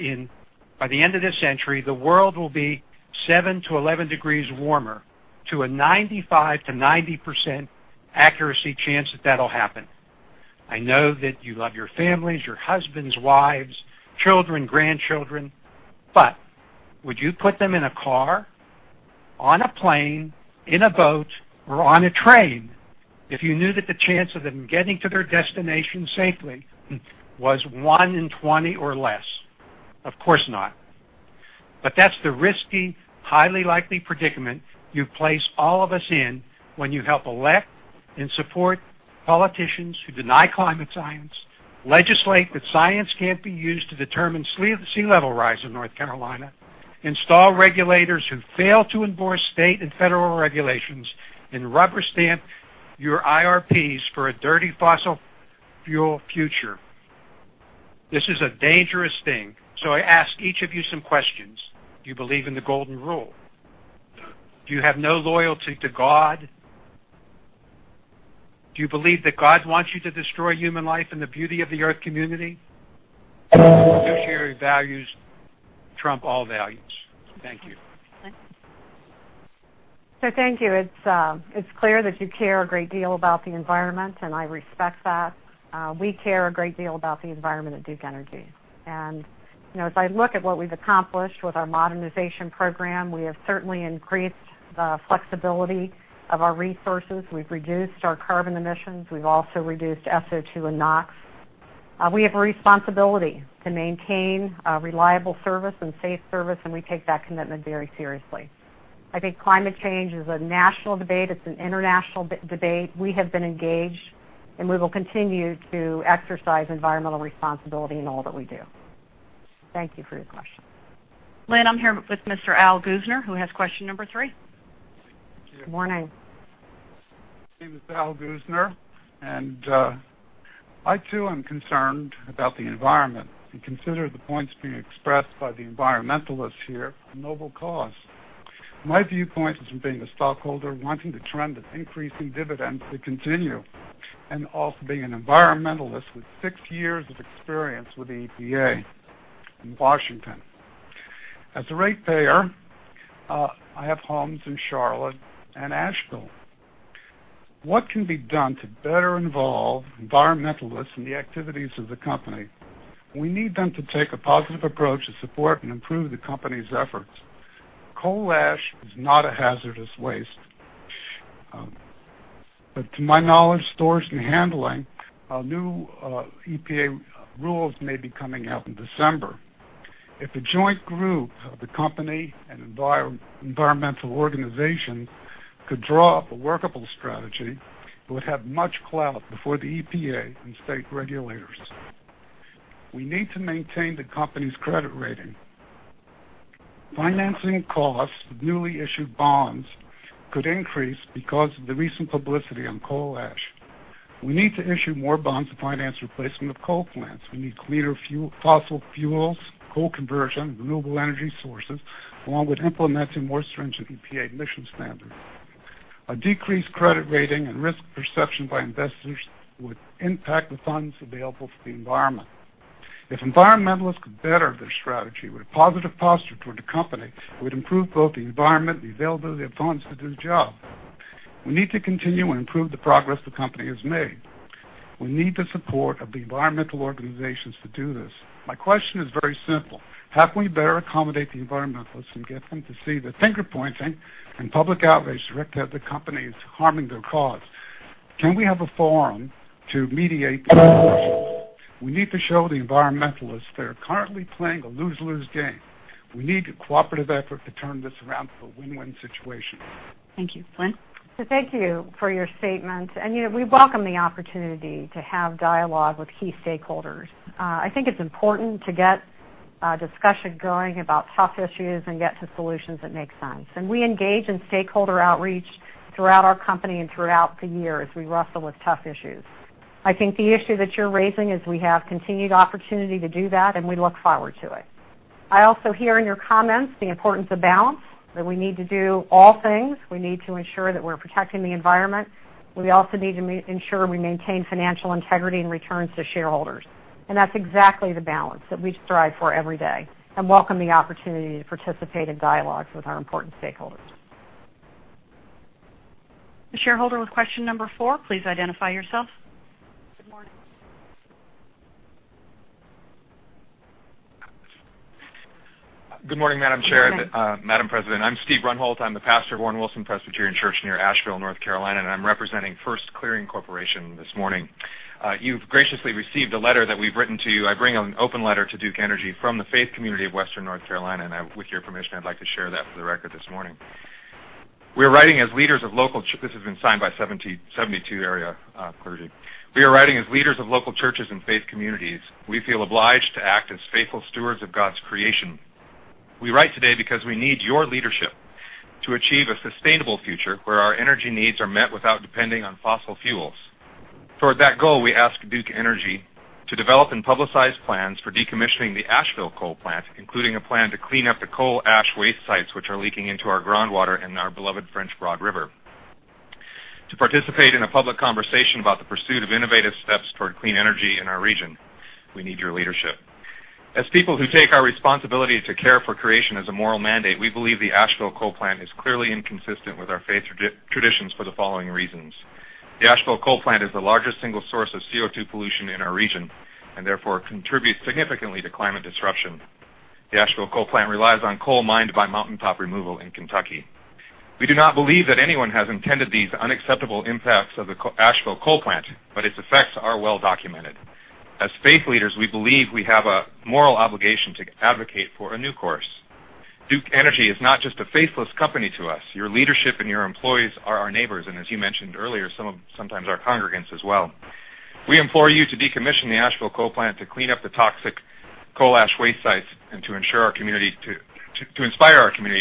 by the end of this century, the world will be seven to 11 degrees warmer to a 95%-90% accuracy chance that that'll happen. I know that you love your families, your husbands, wives, children, grandchildren, would you put them in a car, on a plane, in a boat, or on a train if you knew that the chance of them getting to their destination safely was one in 20 or less? Of course not. That's the risky, highly likely predicament you place all of us in when you help elect and support politicians who deny climate science, legislate that science can't be used to determine sea-level rise in North Carolina, install regulators who fail to enforce state and federal regulations, and rubber-stamp your IRPs for a dirty fossil fuel future. This is a dangerous thing. I ask each of you some questions. Do you believe in the golden rule? Do you have no loyalty to God? Do you believe that God wants you to destroy human life and the beauty of the Earth community? Fiduciary values trump all values. Thank you. Thanks. Thank you. It's clear that you care a great deal about the environment, and I respect that. We care a great deal about the environment at Duke Energy. As I look at what we've accomplished with our modernization program, we have certainly increased the flexibility of our resources. We've reduced our carbon emissions. We've also reduced SO2 and NOx. We have a responsibility to maintain a reliable service and safe service, and we take that commitment very seriously. I think climate change is a national debate. It's an international debate. We have been engaged, and we will continue to exercise environmental responsibility in all that we do. Thank you for your question. Lynn, I'm here with Mr. Al Goozner, who has question number three. Good morning. My name is Al Goozner, and I too am concerned about the environment and consider the points being expressed by the environmentalists here a noble cause. My viewpoint is from being a stockholder wanting the trend of increasing dividends to continue and also being an environmentalist with six years of experience with the EPA in Washington. As a ratepayer, I have homes in Charlotte and Asheville. What can be done to better involve environmentalists in the activities of the company? We need them to take a positive approach to support and improve the company's efforts. Coal ash is not a hazardous waste. To my knowledge, storage and handling, new EPA rules may be coming out in December. If a joint group of the company and environmental organizations could draw up a workable strategy, it would have much clout before the EPA and state regulators. We need to maintain the company's credit rating. Financing costs of newly issued bonds could increase because of the recent publicity on coal ash. We need to issue more bonds to finance replacement of coal plants. We need cleaner fossil fuels, coal conversion, renewable energy sources, along with implementing more stringent EPA emission standards. A decreased credit rating and risk perception by investors would impact the funds available for the environment. If environmentalists could better their strategy with a positive posture toward the company, it would improve both the environment and the availability of funds to do the job. We need to continue and improve the progress the company has made. We need the support of the environmental organizations to do this. My question is very simple. How can we better accommodate the environmentalists and get them to see that finger-pointing and public outrage directed at the company is harming their cause? Can we have a forum to mediate these issues? We need to show the environmentalists they are currently playing a lose-lose game. We need a cooperative effort to turn this around to a win-win situation. Thank you. Lynn? Thank you for your statement. We welcome the opportunity to have dialogue with key stakeholders. I think it's important to get discussion going about tough issues and get to solutions that make sense. We engage in stakeholder outreach throughout our company and throughout the year as we wrestle with tough issues. I think the issue that you're raising is we have continued opportunity to do that. We look forward to it. I also hear in your comments the importance of balance, that we need to do all things. We need to ensure that we're protecting the environment. We also need to ensure we maintain financial integrity and returns to shareholders. That's exactly the balance that we strive for every day and welcome the opportunity to participate in dialogues with our important stakeholders. The shareholder with question number 4, please identify yourself. Good morning. Good morning, Madam Chair. Good morning. Madam President. I'm Steve Runholt. I'm the pastor of Warren-Wilson Presbyterian Church near Asheville, North Carolina, and I'm representing First Clearing Corporation this morning. You've graciously received a letter that we've written to you. I bring an open letter to Duke Energy from the faith community of Western North Carolina, and with your permission, I'd like to share that for the record this morning. We are writing as leaders of local church. This has been signed by 72 area clergy. We are writing as leaders of local churches and faith communities. We feel obliged to act as faithful stewards of God's creation. We write today because we need your leadership to achieve a sustainable future where our energy needs are met without depending on fossil fuels. Toward that goal, we ask Duke Energy to develop and publicize plans for decommissioning the Asheville coal plant, including a plan to clean up the coal ash waste sites, which are leaking into our groundwater and our beloved French Broad River. To participate in a public conversation about the pursuit of innovative steps toward clean energy in our region, we need your leadership. As people who take our responsibility to care for creation as a moral mandate, we believe the Asheville coal plant is clearly inconsistent with our faith traditions for the following reasons. The Asheville coal plant is the largest single source of CO2 pollution in our region and therefore contributes significantly to climate disruption. The Asheville coal plant relies on coal mined by mountaintop removal in Kentucky. We do not believe that anyone has intended these unacceptable impacts of the Asheville coal plant, but its effects are well documented. As faith leaders, we believe we have a moral obligation to advocate for a new course. Duke Energy is not just a faithless company to us. Your leadership and your employees are our neighbors, and as you mentioned earlier, sometimes our congregants as well. We implore you to decommission the Asheville coal plant to clean up the toxic coal ash waste sites and to inspire our community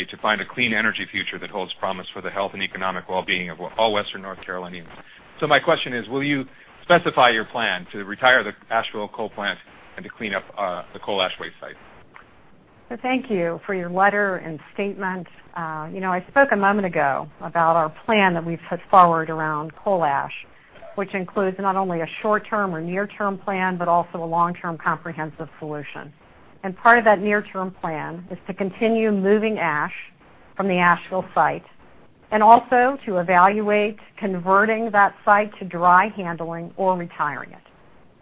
to find a clean energy future that holds promise for the health and economic wellbeing of all Western North Carolinians. My question is: will you specify your plan to retire the Asheville coal plant and to clean up the coal ash waste site? Thank you for your letter and statement. I spoke a moment ago about our plan that we've put forward around coal ash, which includes not only a short-term or near-term plan, but also a long-term comprehensive solution. Part of that near-term plan is to continue moving ash from the Asheville site and also to evaluate converting that site to dry handling or retiring it.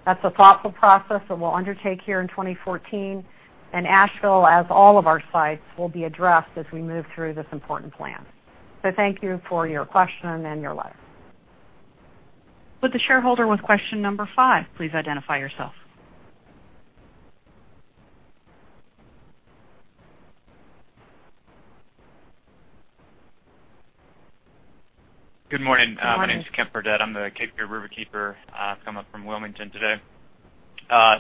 That's a thoughtful process that we'll undertake here in 2014, and Asheville, as all of our sites, will be addressed as we move through this important plan. Thank you for your question and your letter. Would the shareholder with question number five please identify yourself? Good morning. Good morning. My name is Kemp Burdette. I'm the Cape Fear Riverkeeper. I've come up from Wilmington today.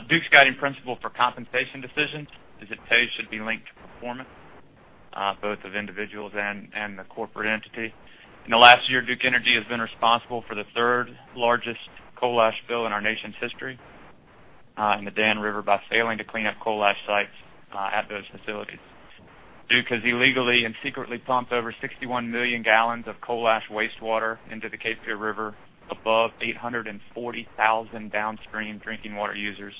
Duke's guiding principle for compensation decisions is that pay should be linked to performance, both of individuals and the corporate entity. In the last year, Duke Energy has been responsible for the third-largest coal ash spill in our nation's history in the Dan River by failing to clean up coal ash sites at those facilities. Duke has illegally and secretly pumped over 61 million gallons of coal ash wastewater into the Cape Fear River above 840,000 downstream drinking water users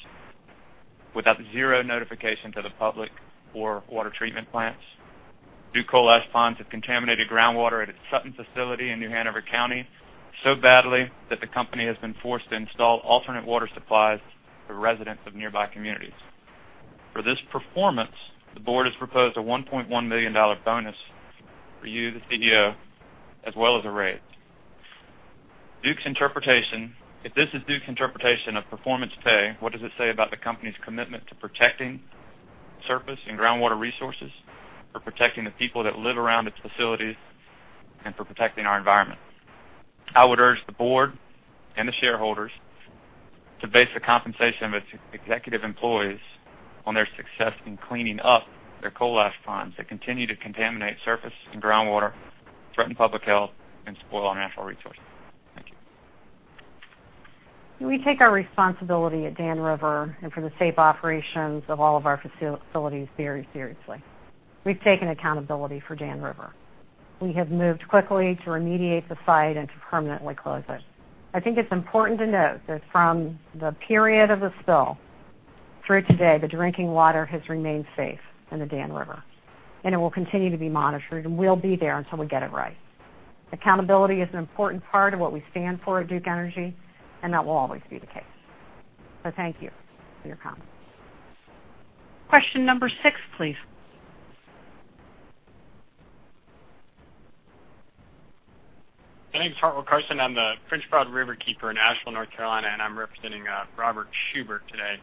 without zero notification to the public or water treatment plants. Duke coal ash ponds have contaminated groundwater at its Sutton facility in New Hanover County so badly that the company has been forced to install alternate water supplies for residents of nearby communities. For this performance, the board has proposed a $1.1 million bonus for you, the CEO, as well as a raise. If this is Duke Energy's interpretation of performance pay, what does it say about the company's commitment to protecting surface and groundwater resources, for protecting the people that live around its facilities, and for protecting our environment? I would urge the board and the shareholders to base the compensation of its executive employees on their success in cleaning up their coal ash ponds that continue to contaminate surface and groundwater, threaten public health, and spoil our natural resources. Thank you. We take our responsibility at Dan River and for the safe operations of all of our facilities very seriously. We've taken accountability for Dan River. We have moved quickly to remediate the site and to permanently close it. I think it's important to note that from the period of the spill through today, the drinking water has remained safe in the Dan River, and it will continue to be monitored, and we'll be there until we get it right. Accountability is an important part of what we stand for at Duke Energy, and that will always be the case. Thank you for your comments. Question number six, please. My name is Hartwell Carson. I'm the French Broad Riverkeeper in Asheville, North Carolina, and I'm representing Robert Schubert today.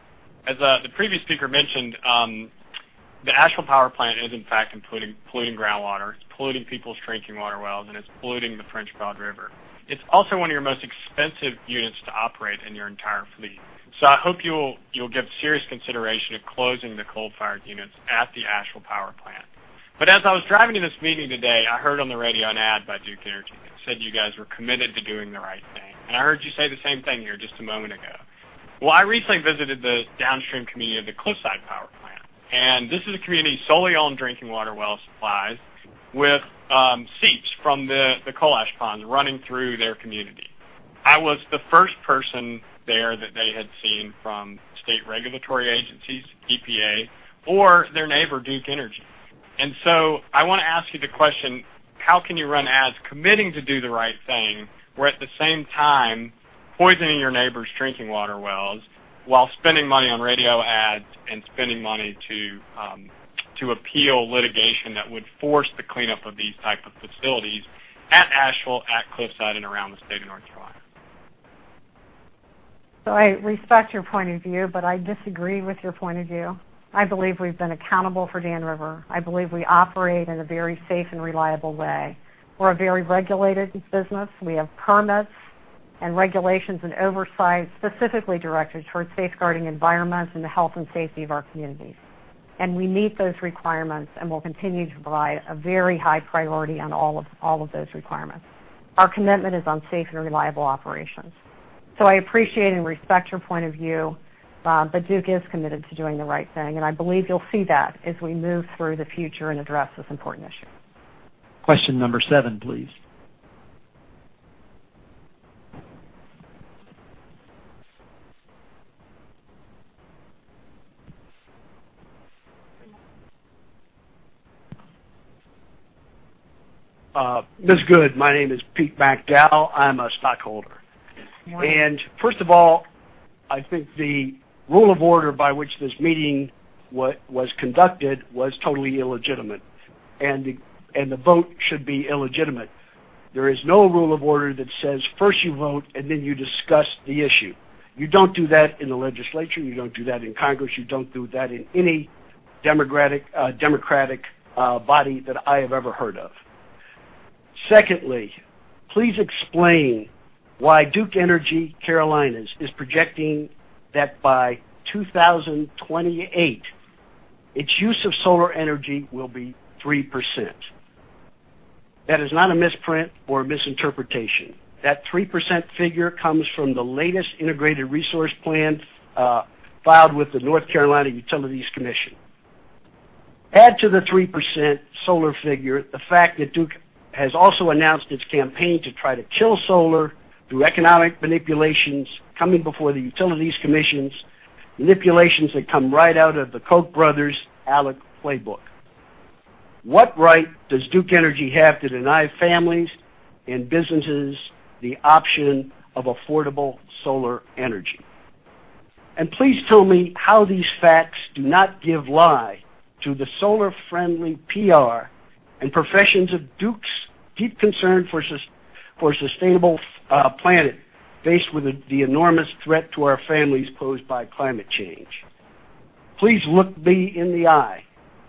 As the previous speaker mentioned, the Asheville Power Plant is in fact polluting groundwater. It's polluting people's drinking water wells, and it's polluting the French Broad River. It's also one of your most expensive units to operate in your entire fleet. I hope you'll give serious consideration of closing the coal-fired units at the Asheville Power Plant. As I was driving to this meeting today, I heard on the radio an ad by Duke Energy that said you guys were committed to doing the right thing, and I heard you say the same thing here just a moment ago. I recently visited the downstream community of the Cliffside Power Plant, and this is a community solely on drinking water well supplies with seeps from the coal ash ponds running through their community. I was the first person there that they had seen from state regulatory agencies, EPA, or their neighbor, Duke Energy. I want to ask you the question: how can you run ads committing to do the right thing, where at the same time poisoning your neighbor's drinking water wells while spending money on radio ads and spending money to appeal litigation that would force the cleanup of these type of facilities at Asheville, at Cliffside, and around the state of North Carolina? I respect your point of view, but I disagree with your point of view. I believe we've been accountable for Dan River. I believe we operate in a very safe and reliable way. We're a very regulated business. We have permits and regulations and oversight specifically directed towards safeguarding environments and the health and safety of our communities. We meet those requirements and will continue to provide a very high priority on all of those requirements. Our commitment is on safe and reliable operations. I appreciate and respect your point of view, but Duke is committed to doing the right thing, and I believe you'll see that as we move through the future and address this important issue. Question number 7, please. Ms. Good, my name is Pete McDowell. I'm a stockholder. Good morning. First of all, I think the rule of order by which this meeting was conducted was totally illegitimate. The vote should be illegitimate. There is no rule of order that says first you vote and then you discuss the issue. You don't do that in the legislature. You don't do that in Congress. You don't do that in any democratic body that I have ever heard of. Secondly, please explain why Duke Energy Carolinas is projecting that by 2028, its use of solar energy will be 3%. That is not a misprint or a misinterpretation. That 3% figure comes from the latest integrated resource plan filed with the North Carolina Utilities Commission. Add to the 3% solar figure the fact that Duke has also announced its campaign to try to kill solar through economic manipulations coming before the utilities commissions, manipulations that come right out of the Koch brothers' ALEC playbook. What right does Duke Energy have to deny families and businesses the option of affordable solar energy? Please tell me how these facts do not give lie to the solar-friendly PR and professions of Duke's deep concern for a sustainable planet, faced with the enormous threat to our families posed by climate change. Please look me in the eye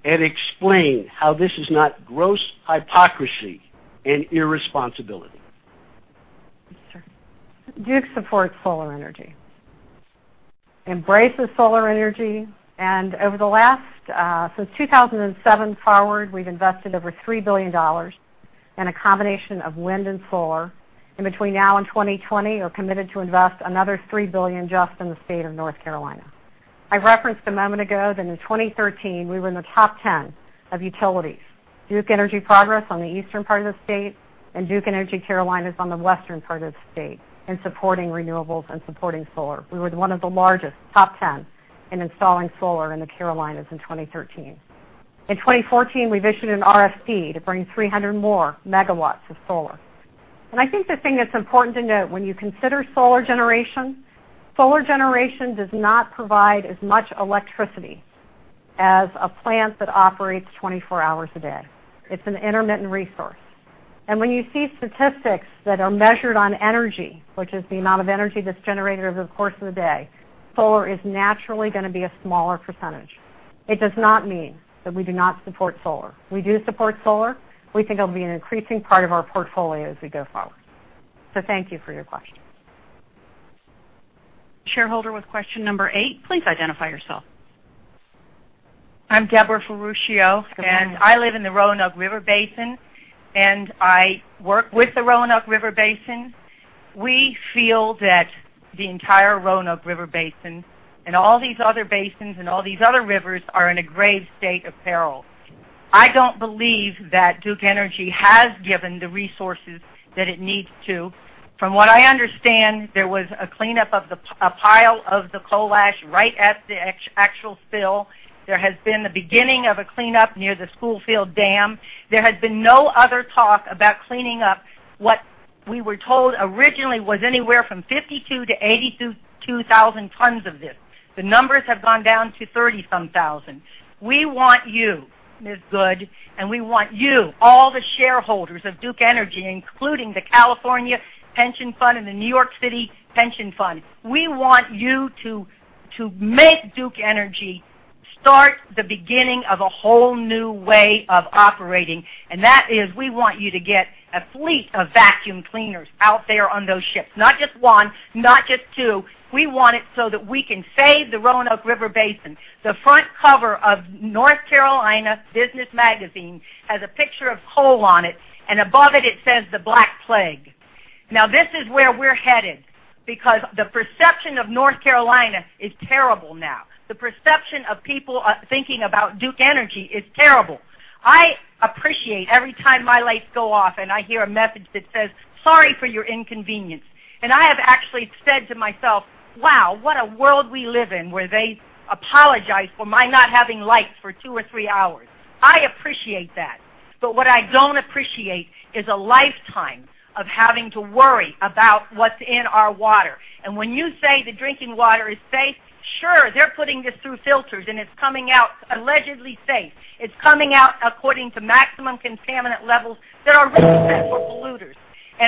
and explain how this is not gross hypocrisy and irresponsibility. Yes, sir. Duke supports solar energy, embraces solar energy. Since 2007 forward, we've invested over $3 billion in a combination of wind and solar. Between now and 2020, are committed to invest another $3 billion just in the state of North Carolina. I referenced a moment ago that in 2013, we were in the top 10 of utilities. Duke Energy Progress on the eastern part of the state and Duke Energy Carolinas on the western part of the state in supporting renewables and supporting solar. We were one of the largest, top 10, in installing solar in the Carolinas in 2013. In 2014, we've issued an RFP to bring 300 more MW of solar. I think the thing that's important to note when you consider solar generation, solar generation does not provide as much electricity as a plant that operates 24 hours a day. It's an intermittent resource. When you see statistics that are measured on energy, which is the amount of energy that's generated over the course of the day, solar is naturally going to be a smaller percentage. It does not mean that we do not support solar. We do support solar. We think it'll be an increasing part of our portfolio as we go forward. Thank you for your question. Shareholder with question number 8, please identify yourself. I'm Deborah Ferruccio. Good morning. I live in the Roanoke River Basin, and I work with the Roanoke River Basin. We feel that the entire Roanoke River Basin and all these other basins and all these other rivers are in a grave state of peril. I don't believe that Duke Energy has given the resources that it needs to. From what I understand, there was a cleanup of a pile of the coal ash right at the actual spill. There has been the beginning of a cleanup near the Schoolfield Dam. There has been no other talk about cleaning up what we were told originally was anywhere from 52,000-82,000 tons of this. The numbers have gone down to 30 some thousand. We want you, Ms. Good, and we want you, all the shareholders of Duke Energy, including the California Pension Fund and the New York City Pension Fund, we want you to make Duke Energy start the beginning of a whole new way of operating, and that is we want you to get a fleet of vacuum cleaners out there on those ships. Not just one, not just two. We want it so that we can save the Roanoke River Basin. The front cover of Business North Carolina has a picture of coal on it, and above it says, "The Black Plague." This is where we're headed because the perception of North Carolina is terrible now. The perception of people thinking about Duke Energy is terrible. I appreciate every time my lights go off and I hear a message that says, "Sorry for your inconvenience." I have actually said to myself, "Wow, what a world we live in, where they apologize for my not having lights for two or three hours." I appreciate that. What I don't appreciate is a lifetime of having to worry about what's in our water. When you say the drinking water is safe, sure, they're putting this through filters, and it's coming out allegedly safe. It's coming out according to maximum contaminant levels that are really set for polluters.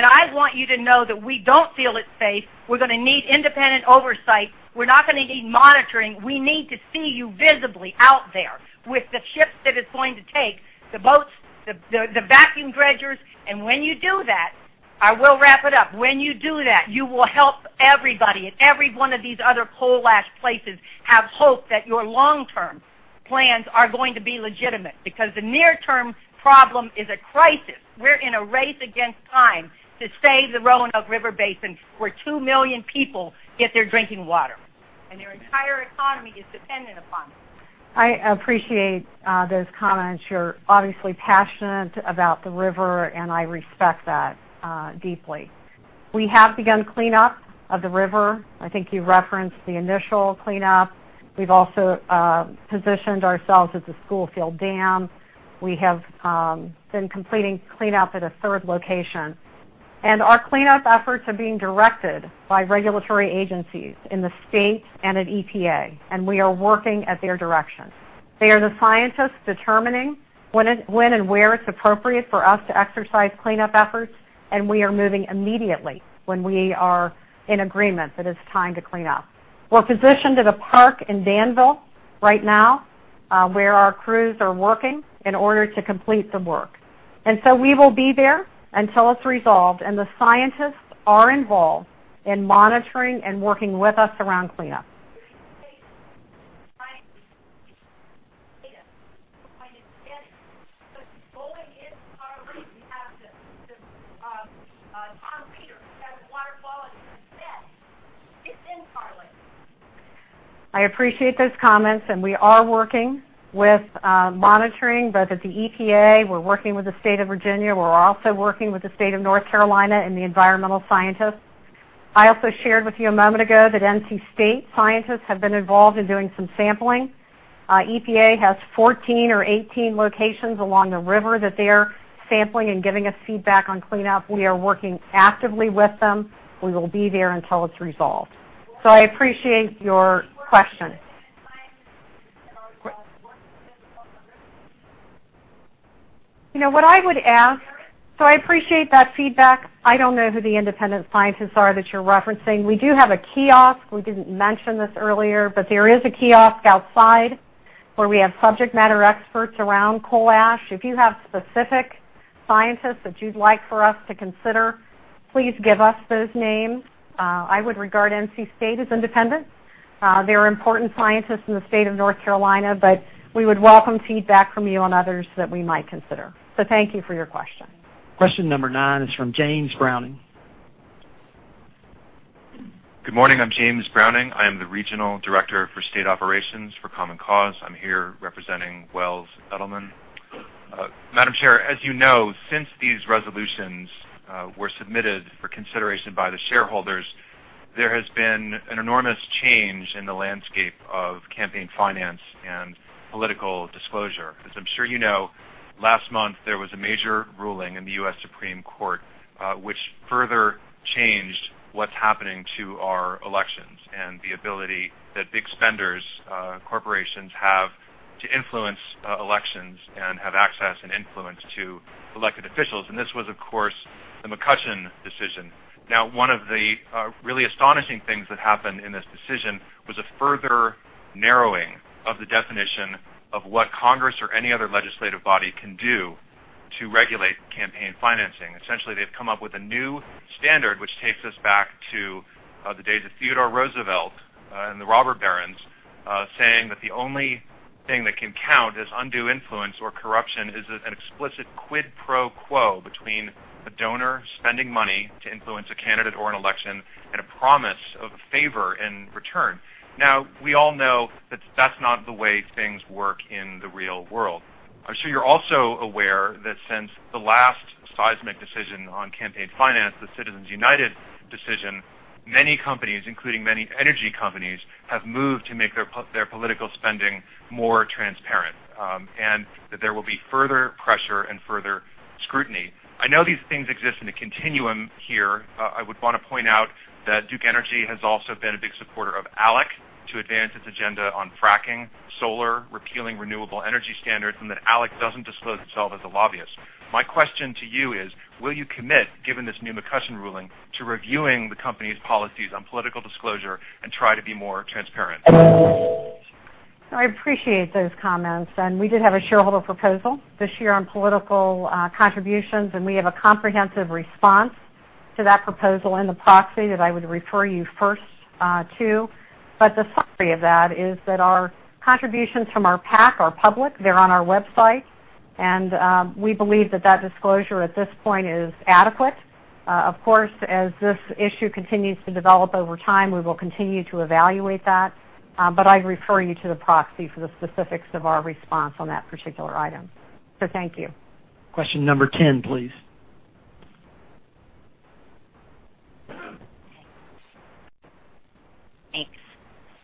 I want you to know that we don't feel it's safe. We're going to need independent oversight. We're not going to need monitoring. We need to see you visibly out there with the ships that it's going to take, the boats, the vacuum dredgers. When you do that, I will wrap it up. When you do that, you will help everybody and every one of these other coal ash places have hope that your long-term plans are going to be legitimate because the near-term problem is a crisis. We're in a race against time to save the Roanoke River Basin, where two million people get their drinking water, and their entire economy is dependent upon it. I appreciate those comments. You're obviously passionate about the river, I respect that deeply. We have begun cleanup of the river. I think you referenced the initial cleanup. We've also positioned ourselves at the Schoolfield Dam. We have been completing cleanup at a third location. Our cleanup efforts are being directed by regulatory agencies in the state and at EPA. We are working at their direction. They are the scientists determining when and where it's appropriate for us to exercise cleanup efforts. We are moving immediately when we are in agreement that it's time to clean up. We're positioned at a park in Danville right now, where our crews are working in order to complete the work. We will be there until it's resolved. The scientists are involved in monitoring and working with us around cleanup. Scientists data going into Parlee. We have Tom Peters who has water quality, said it's in {audio distorion} I appreciate those comments. We are working with monitoring, both at the EPA. We're working with the State of Virginia. We're also working with the State of North Carolina and the environmental scientists. I also shared with you a moment ago that NC State scientists have been involved in doing some sampling. EPA has 14 or 18 locations along the river that they're sampling and giving us feedback on cleanup. We are working actively with them. We will be there until it's resolved. I appreciate your question. What I would ask. I appreciate that feedback. I don't know who the independent scientists are that you're referencing. We do have a kiosk. We didn't mention this earlier, but there is a kiosk outside where we have subject matter experts around coal ash. If you have specific scientists that you'd like for us to consider, please give us those names. I would regard NC State as independent. They're important scientists in the State of North Carolina. We would welcome feedback from you on others that we might consider. Thank you for your question. Question number nine is from James Browning. Good morning. I'm James Browning. I am the Regional Director for State Operations for Common Cause. I'm here representing Wells Edelman. Madam Chair, as you know, since these resolutions were submitted for consideration by the shareholders, there has been an enormous change in the landscape of campaign finance and political disclosure. As I'm sure you know, last month, there was a major ruling in the U.S. Supreme Court, which further changed what's happening to our elections and the ability that big spenders, corporations have to influence elections and have access and influence to elected officials, and this was, of course, the McCutcheon decision. One of the really astonishing things that happened in this decision was a further narrowing of the definition of what Congress or any other legislative body can do to regulate campaign financing. Essentially, they've come up with a new standard, which takes us back to the days of Theodore Roosevelt and the robber barons, saying that the only thing that can count as undue influence or corruption is an explicit quid pro quo between a donor spending money to influence a candidate or an election and a promise of a favor in return. We all know that's not the way things work in the real world. I'm sure you're also aware that since the last seismic decision on campaign finance, the Citizens United decision, many companies, including many energy companies, have moved to make their political spending more transparent, and that there will be further pressure and further scrutiny. I know these things exist in a continuum here. I would want to point out that Duke Energy has also been a big supporter of ALEC to advance its agenda on fracking, solar, repealing renewable energy standards, and that ALEC doesn't disclose itself as a lobbyist. My question to you is, will you commit, given this new McCutcheon ruling, to reviewing the company's policies on political disclosure and try to be more transparent? I appreciate those comments. We did have a shareholder proposal this year on political contributions, and we have a comprehensive response to that proposal in the proxy that I would refer you first to. The summary of that is that our contributions from our PAC are public. They're on our website. We believe that that disclosure at this point is adequate. Of course, as this issue continues to develop over time, we will continue to evaluate that. I'd refer you to the proxy for the specifics of our response on that particular item. Thank you. Question number 10, please. Thanks.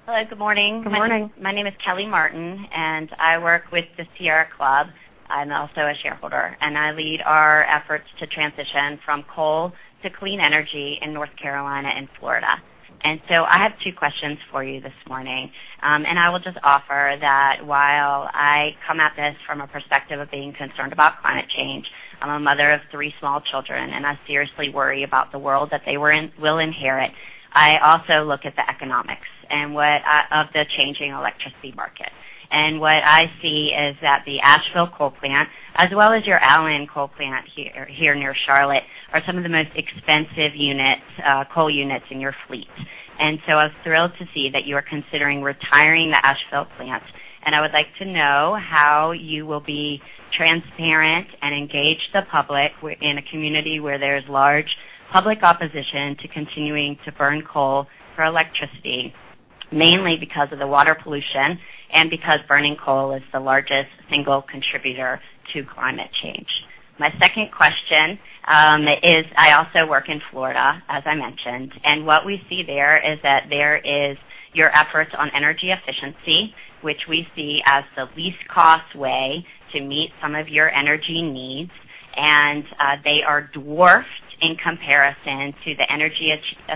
Hello, good morning. Good morning. My name is Kelly Martin, and I work with the Sierra Club. I am also a shareholder, and I lead our efforts to transition from coal to clean energy in North Carolina and Florida. I have two questions for you this morning. I will just offer that while I come at this from a perspective of being concerned about climate change, I am a mother of three small children, and I seriously worry about the world that they will inherit. I also look at the economics of the changing electricity market. What I see is that the Asheville coal plant, as well as your Allen coal plant here near Charlotte, are some of the most expensive coal units in your fleet. I was thrilled to see that you are considering retiring the Asheville plant. I would like to know how you will be transparent and engage the public in a community where there is large public opposition to continuing to burn coal for electricity, mainly because of the water pollution and because burning coal is the largest single contributor to climate change. My second question is, I also work in Florida, as I mentioned, what we see there is that there is your efforts on energy efficiency, which we see as the least cost way to meet some of your energy needs. They are dwarfed in comparison to the energy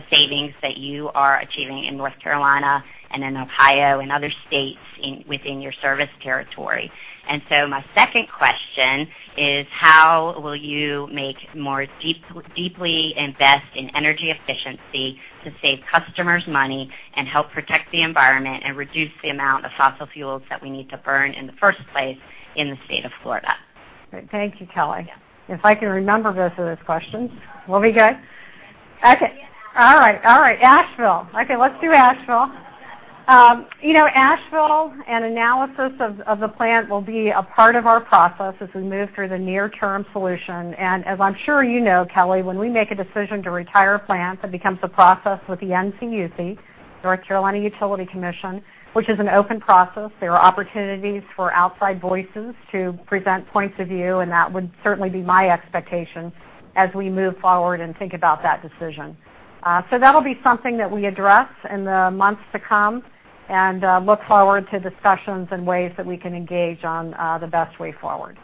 savings that you are achieving in North Carolina and in Ohio and other states within your service territory. My second question is, how will you more deeply invest in energy efficiency to save customers money and help protect the environment and reduce the amount of fossil fuels that we need to burn in the first place in the state of Florida? Thank you, Kelly. If I can remember both of those questions. We'll be good? Okay. All right. Asheville. Okay, let's do Asheville. Asheville, an analysis of the plant will be a part of our process as we move through the near-term solution. As I'm sure you know, Kelly, when we make a decision to retire plants, it becomes a process with the NCUC, North Carolina Utilities Commission, which is an open process. There are opportunities for outside voices to present points of view, and that would certainly be my expectation as we move forward and think about that decision. That'll be something that we address in the months to come and look forward to discussions and ways that we can engage on the best way forward.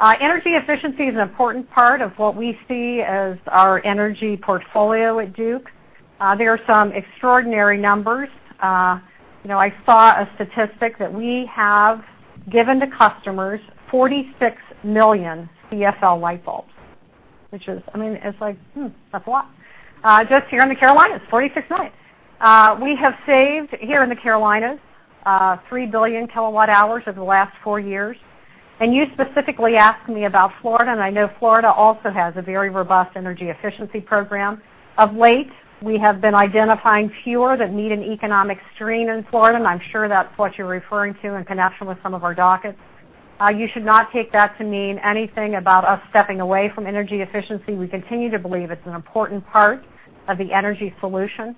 Energy efficiency is an important part of what we see as our energy portfolio at Duke. There are some extraordinary numbers. I saw a statistic that we have given to customers 46 million CFL light bulbs, which is like, hmm, that's a lot. Just here in the Carolinas, 46 million. We have saved, here in the Carolinas, 3 billion kilowatt hours over the last four years. You specifically asked me about Florida, and I know Florida also has a very robust energy efficiency program. Of late, we have been identifying fewer that meet an economic strain in Florida, and I'm sure that's what you're referring to in connection with some of our dockets. You should not take that to mean anything about us stepping away from energy efficiency. We continue to believe it's an important part of the energy solution,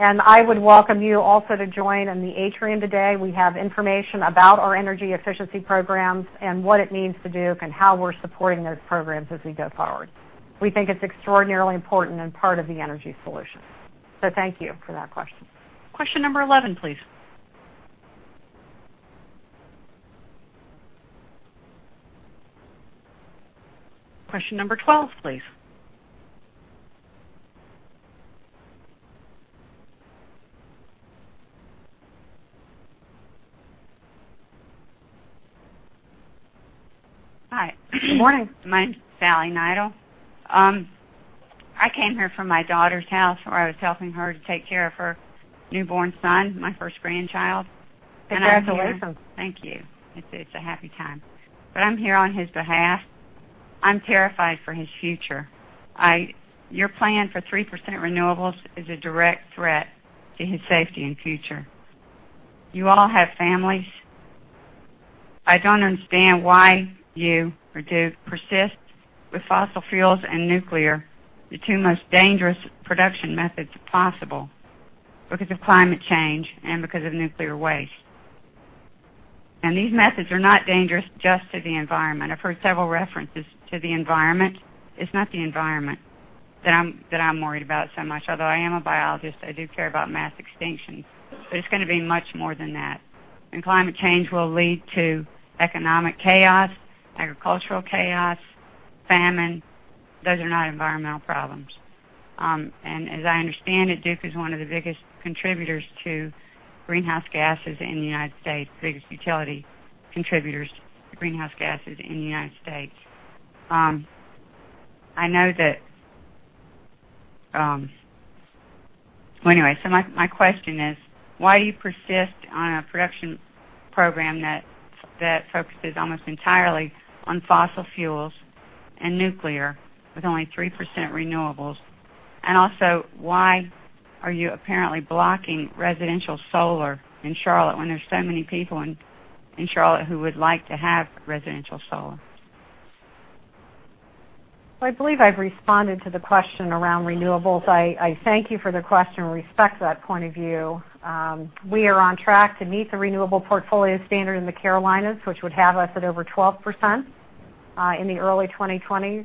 and I would welcome you also to join in the atrium today. We have information about our energy efficiency programs and what it means to Duke and how we're supporting those programs as we go forward. We think it's extraordinarily important and part of the energy solution. Thank you for that question. Question number 11, please. Question number 12, please. Hi. Good morning. My name is Sally Nidal. I came here from my daughter's house where I was helping her to take care of her newborn son, my first grandchild. Congratulations. Thank you. It's a happy time. I'm here on his behalf. I'm terrified for his future. Your plan for 3% renewables is a direct threat to his safety and future. You all have families. I don't understand why you or Duke persist with fossil fuels and nuclear, the two most dangerous production methods possible because of climate change and because of nuclear waste. These methods are not dangerous just to the environment. I've heard several references to the environment. It's not the environment that I'm worried about so much. Although I am a biologist, I do care about mass extinction, but it's going to be much more than that. Climate change will lead to economic chaos, agricultural chaos, famine. Those are not environmental problems. As I understand it, Duke is one of the biggest contributors to greenhouse gases in the U.S., biggest utility contributors to greenhouse gases in the U.S. My question is, why do you persist on a production program that focuses almost entirely on fossil fuels and nuclear with only 3% renewables? Also, why are you apparently blocking residential solar in Charlotte when there's so many people in Charlotte who would like to have residential solar? I believe I've responded to the question around renewables. I thank you for the question and respect that point of view. We are on track to meet the renewable portfolio standard in the Carolinas, which would have us at over 12% in the early 2020s.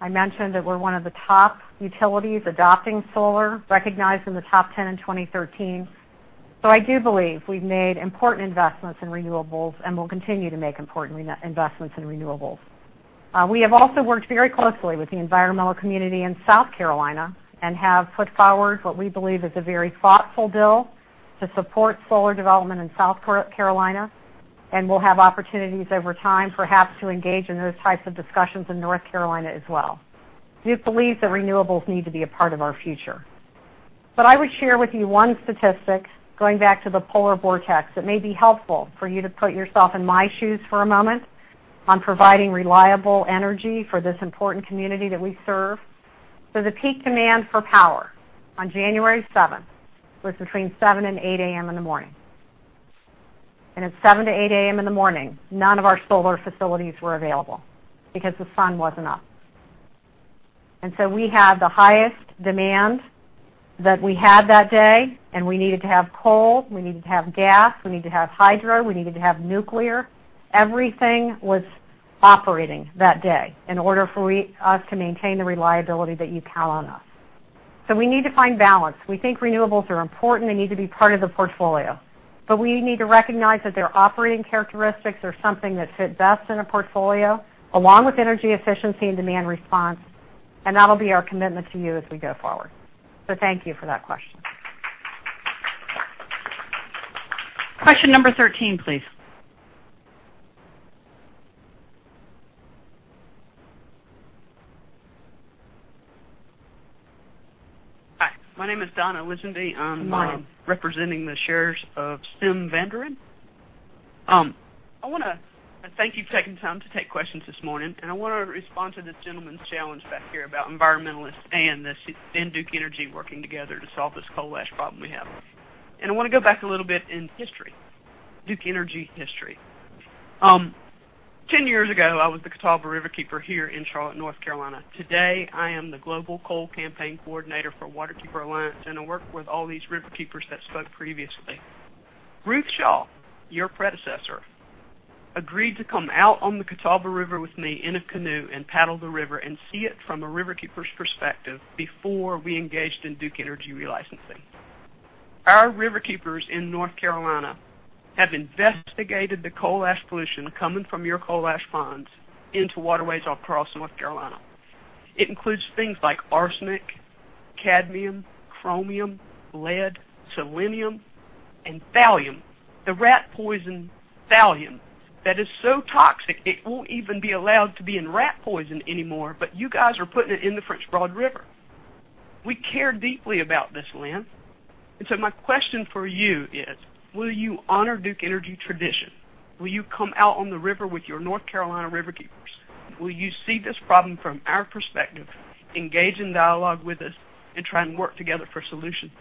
I mentioned that we're one of the top utilities adopting solar, recognized in the top 10 in 2013. I do believe we've made important investments in renewables and will continue to make important investments in renewables. We have also worked very closely with the environmental community in South Carolina and have put forward what we believe is a very thoughtful bill to support solar development in South Carolina, and we'll have opportunities over time, perhaps, to engage in those types of discussions in North Carolina as well. We believe that renewables need to be a part of our future. I would share with you one statistic, going back to the polar vortex, that may be helpful for you to put yourself in my shoes for a moment on providing reliable energy for this important community that we serve. The peak demand for power on January 7th was between 7:00 A.M. and 8:00 A.M. in the morning. At 7:00 A.M. to 8:00 A.M. in the morning, none of our solar facilities were available because the sun wasn't up. We had the highest demand that we had that day, and we needed to have coal, we needed to have gas, we needed to have hydro, we needed to have nuclear. Everything was operating that day in order for us to maintain the reliability that you count on us. We need to find balance. We think renewables are important. They need to be part of the portfolio. We need to recognize that their operating characteristics are something that fit best in a portfolio, along with energy efficiency and demand response. That'll be our commitment to you as we go forward. Thank you for that question. Question number 13, please. Hi, my name is Donna Lisenby. Good morning. I'm representing the shares of Tim Vanderin. I want to thank you for taking the time to take questions this morning, and I want to respond to this gentleman's challenge back here about environmentalists and Duke Energy working together to solve this coal ash problem we have. I want to go back a little bit in history, Duke Energy history. Ten years ago, I was the Catawba Riverkeeper here in Charlotte, North Carolina. Today, I am the Global Coal Campaign Coordinator for Waterkeeper Alliance, and I work with all these Riverkeepers that spoke previously. Ruth Shaw, your predecessor, agreed to come out on the Catawba River with me in a canoe and paddle the river and see it from a Riverkeeper's perspective before we engaged in Duke Energy relicensing. Our Riverkeepers in North Carolina have investigated the coal ash pollution coming from your coal ash ponds into waterways across North Carolina. It includes things like arsenic, cadmium, chromium, lead, selenium, and thallium. The rat poison thallium that is so toxic it won't even be allowed to be in rat poison anymore, but you guys are putting it in the French Broad River. We care deeply about this land. My question for you is, will you honor Duke Energy tradition? Will you come out on the river with your North Carolina Riverkeepers? Will you see this problem from our perspective, engage in dialogue with us, and try and work together for solutions?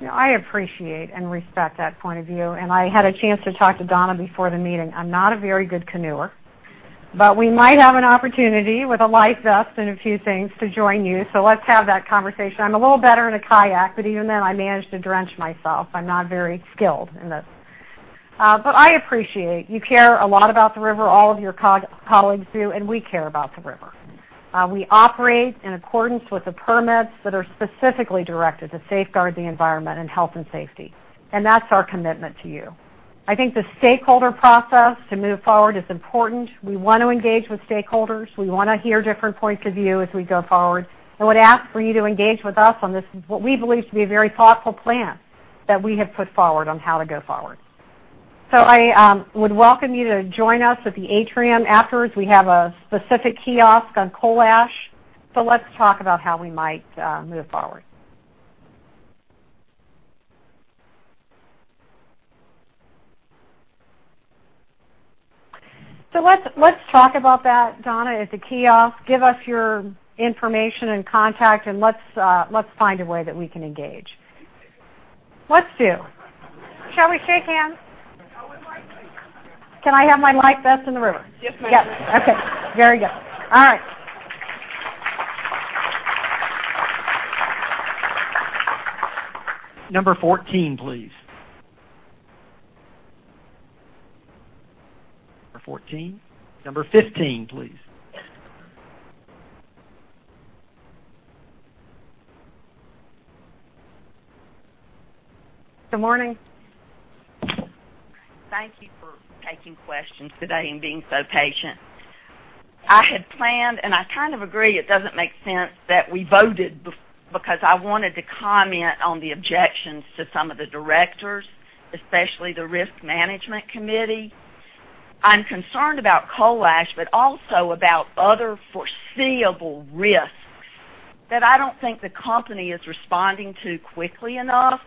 I appreciate and respect that point of view, and I had a chance to talk to Donna before the meeting. I'm not a very good canoer, but we might have an opportunity with a life vest and a few things to join you. Let's have that conversation. I'm a little better in a kayak, but even then I manage to drench myself. I'm not very skilled in this. I appreciate you care a lot about the river, all of your colleagues do, and we care about the river. We operate in accordance with the permits that are specifically directed to safeguard the environment and health and safety, and that's our commitment to you. I think the stakeholder process to move forward is important. We want to engage with stakeholders. We want to hear different points of view as we go forward and would ask for you to engage with us on this, what we believe to be a very thoughtful plan that we have put forward on how to go forward. I would welcome you to join us at the atrium afterwards. We have a specific kiosk on coal ash. Let's talk about how we might move forward. Let's talk about that, Donna, at the kiosk. Give us your information and contact, and let's find a way that we can engage. Let's do. Shall we shake hands? I would like to. Can I have my life vest in the river? Yes, ma'am. Yep. Okay. Very good. All right. Number 14, please. Number 14? Number 15, please. Good morning. Thank you for taking questions today and being so patient. I had planned, I kind of agree it doesn't make sense that we voted, because I wanted to comment on the objections to some of the directors, especially the Risk Management Committee. I'm concerned about coal ash, but also about other foreseeable risks that I don't think the company is responding to quickly enough.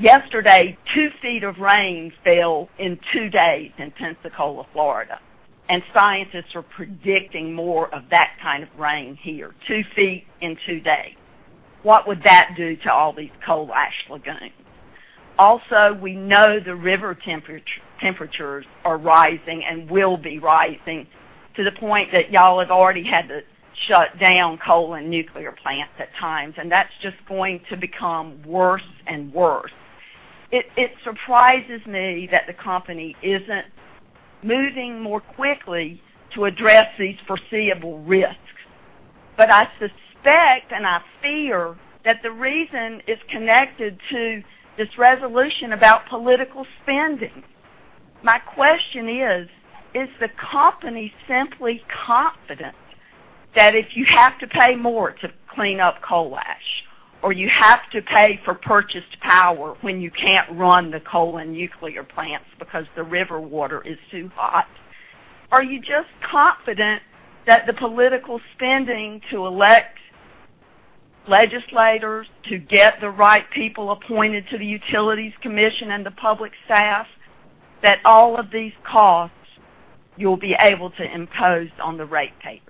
Yesterday, 2 feet of rain fell in 2 days in Pensacola, Florida, and scientists are predicting more of that kind of rain here, 2 feet in 2 days. What would that do to all these coal ash lagoons? Also, we know the river temperatures are rising and will be rising to the point that y'all have already had to shut down coal and nuclear plants at times, and that's just going to become worse and worse. It surprises me that the company isn't moving more quickly to address these foreseeable risks. I suspect, and I fear that the reason is connected to this resolution about political spending. My question is the company simply confident that if you have to pay more to clean up coal ash, or you have to pay for purchased power when you can't run the coal and nuclear plants because the river water is too hot, are you just confident that the political spending to elect legislators to get the right people appointed to the Utilities Commission and the Public Staff, that all of these costs you'll be able to impose on the ratepayers?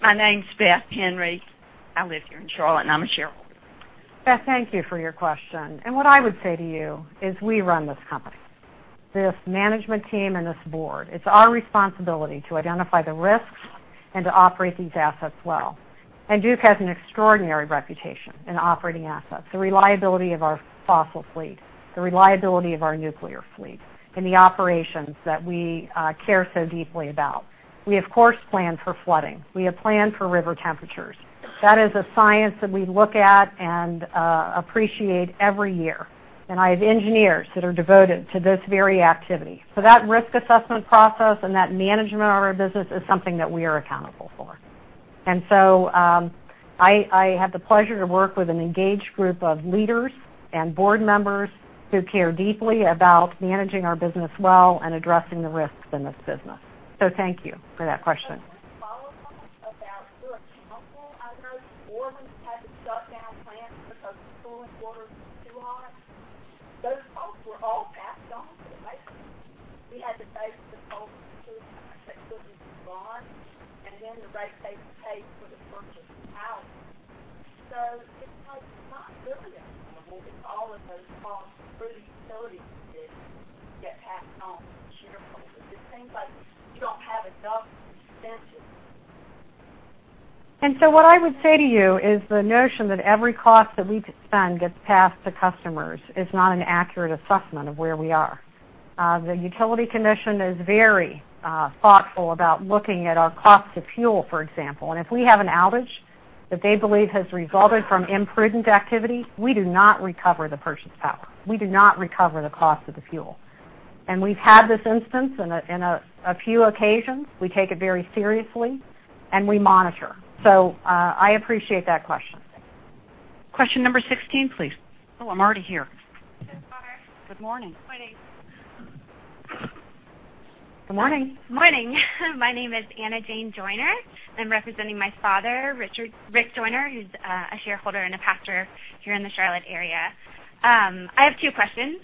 My name's Beth Henry. I live here in Charlotte, and I'm a shareholder. Beth, thank you for your question. What I would say to you is we run this company, this management team and this board. It's our responsibility to identify the risks and to operate these assets well. Duke has an extraordinary reputation in operating assets. The reliability of our fossil fleet, the reliability of our nuclear fleet, and the operations that we care so deeply about. We, of course, plan for flooding. We have planned for river temperatures. That is a science that we look at and appreciate every year. I have engineers that are devoted to this very activity. That risk assessment process and that management of our business is something that we are accountable for. I have the pleasure to work with an engaged group of leaders and board members who care deeply about managing our business well and addressing the risks in this business. Thank you for that question. Just a quick follow-up about you're accountable, I know, for when you've had to shut down plants because the cooling water is too hot. Those costs were all passed on to the ratepayers. We had to pay for the coal that was too hot that couldn't be burned, and then the ratepayers paid for the purchase power. It's not really accountable if all of those costs through the Utility Commission get passed on to the shareholders. It seems like you don't have enough incentive. What I would say to you is the notion that every cost that we spend gets passed to customers is not an accurate assessment of where we are. The Utility Commission is very thoughtful about looking at our cost of fuel, for example. If we have an outage that they believe has resulted from imprudent activity, we do not recover the purchase power. We do not recover the cost of the fuel. We've had this instance in a few occasions. We take it very seriously, and we monitor. I appreciate that question. Question number 16, please. Oh, I'm already here. Good morning. Morning. Good morning. Morning. My name is Anna Jane Joyner. I'm representing my father, Rick Joyner, who's a shareholder and a pastor here in the Charlotte area. I have two questions.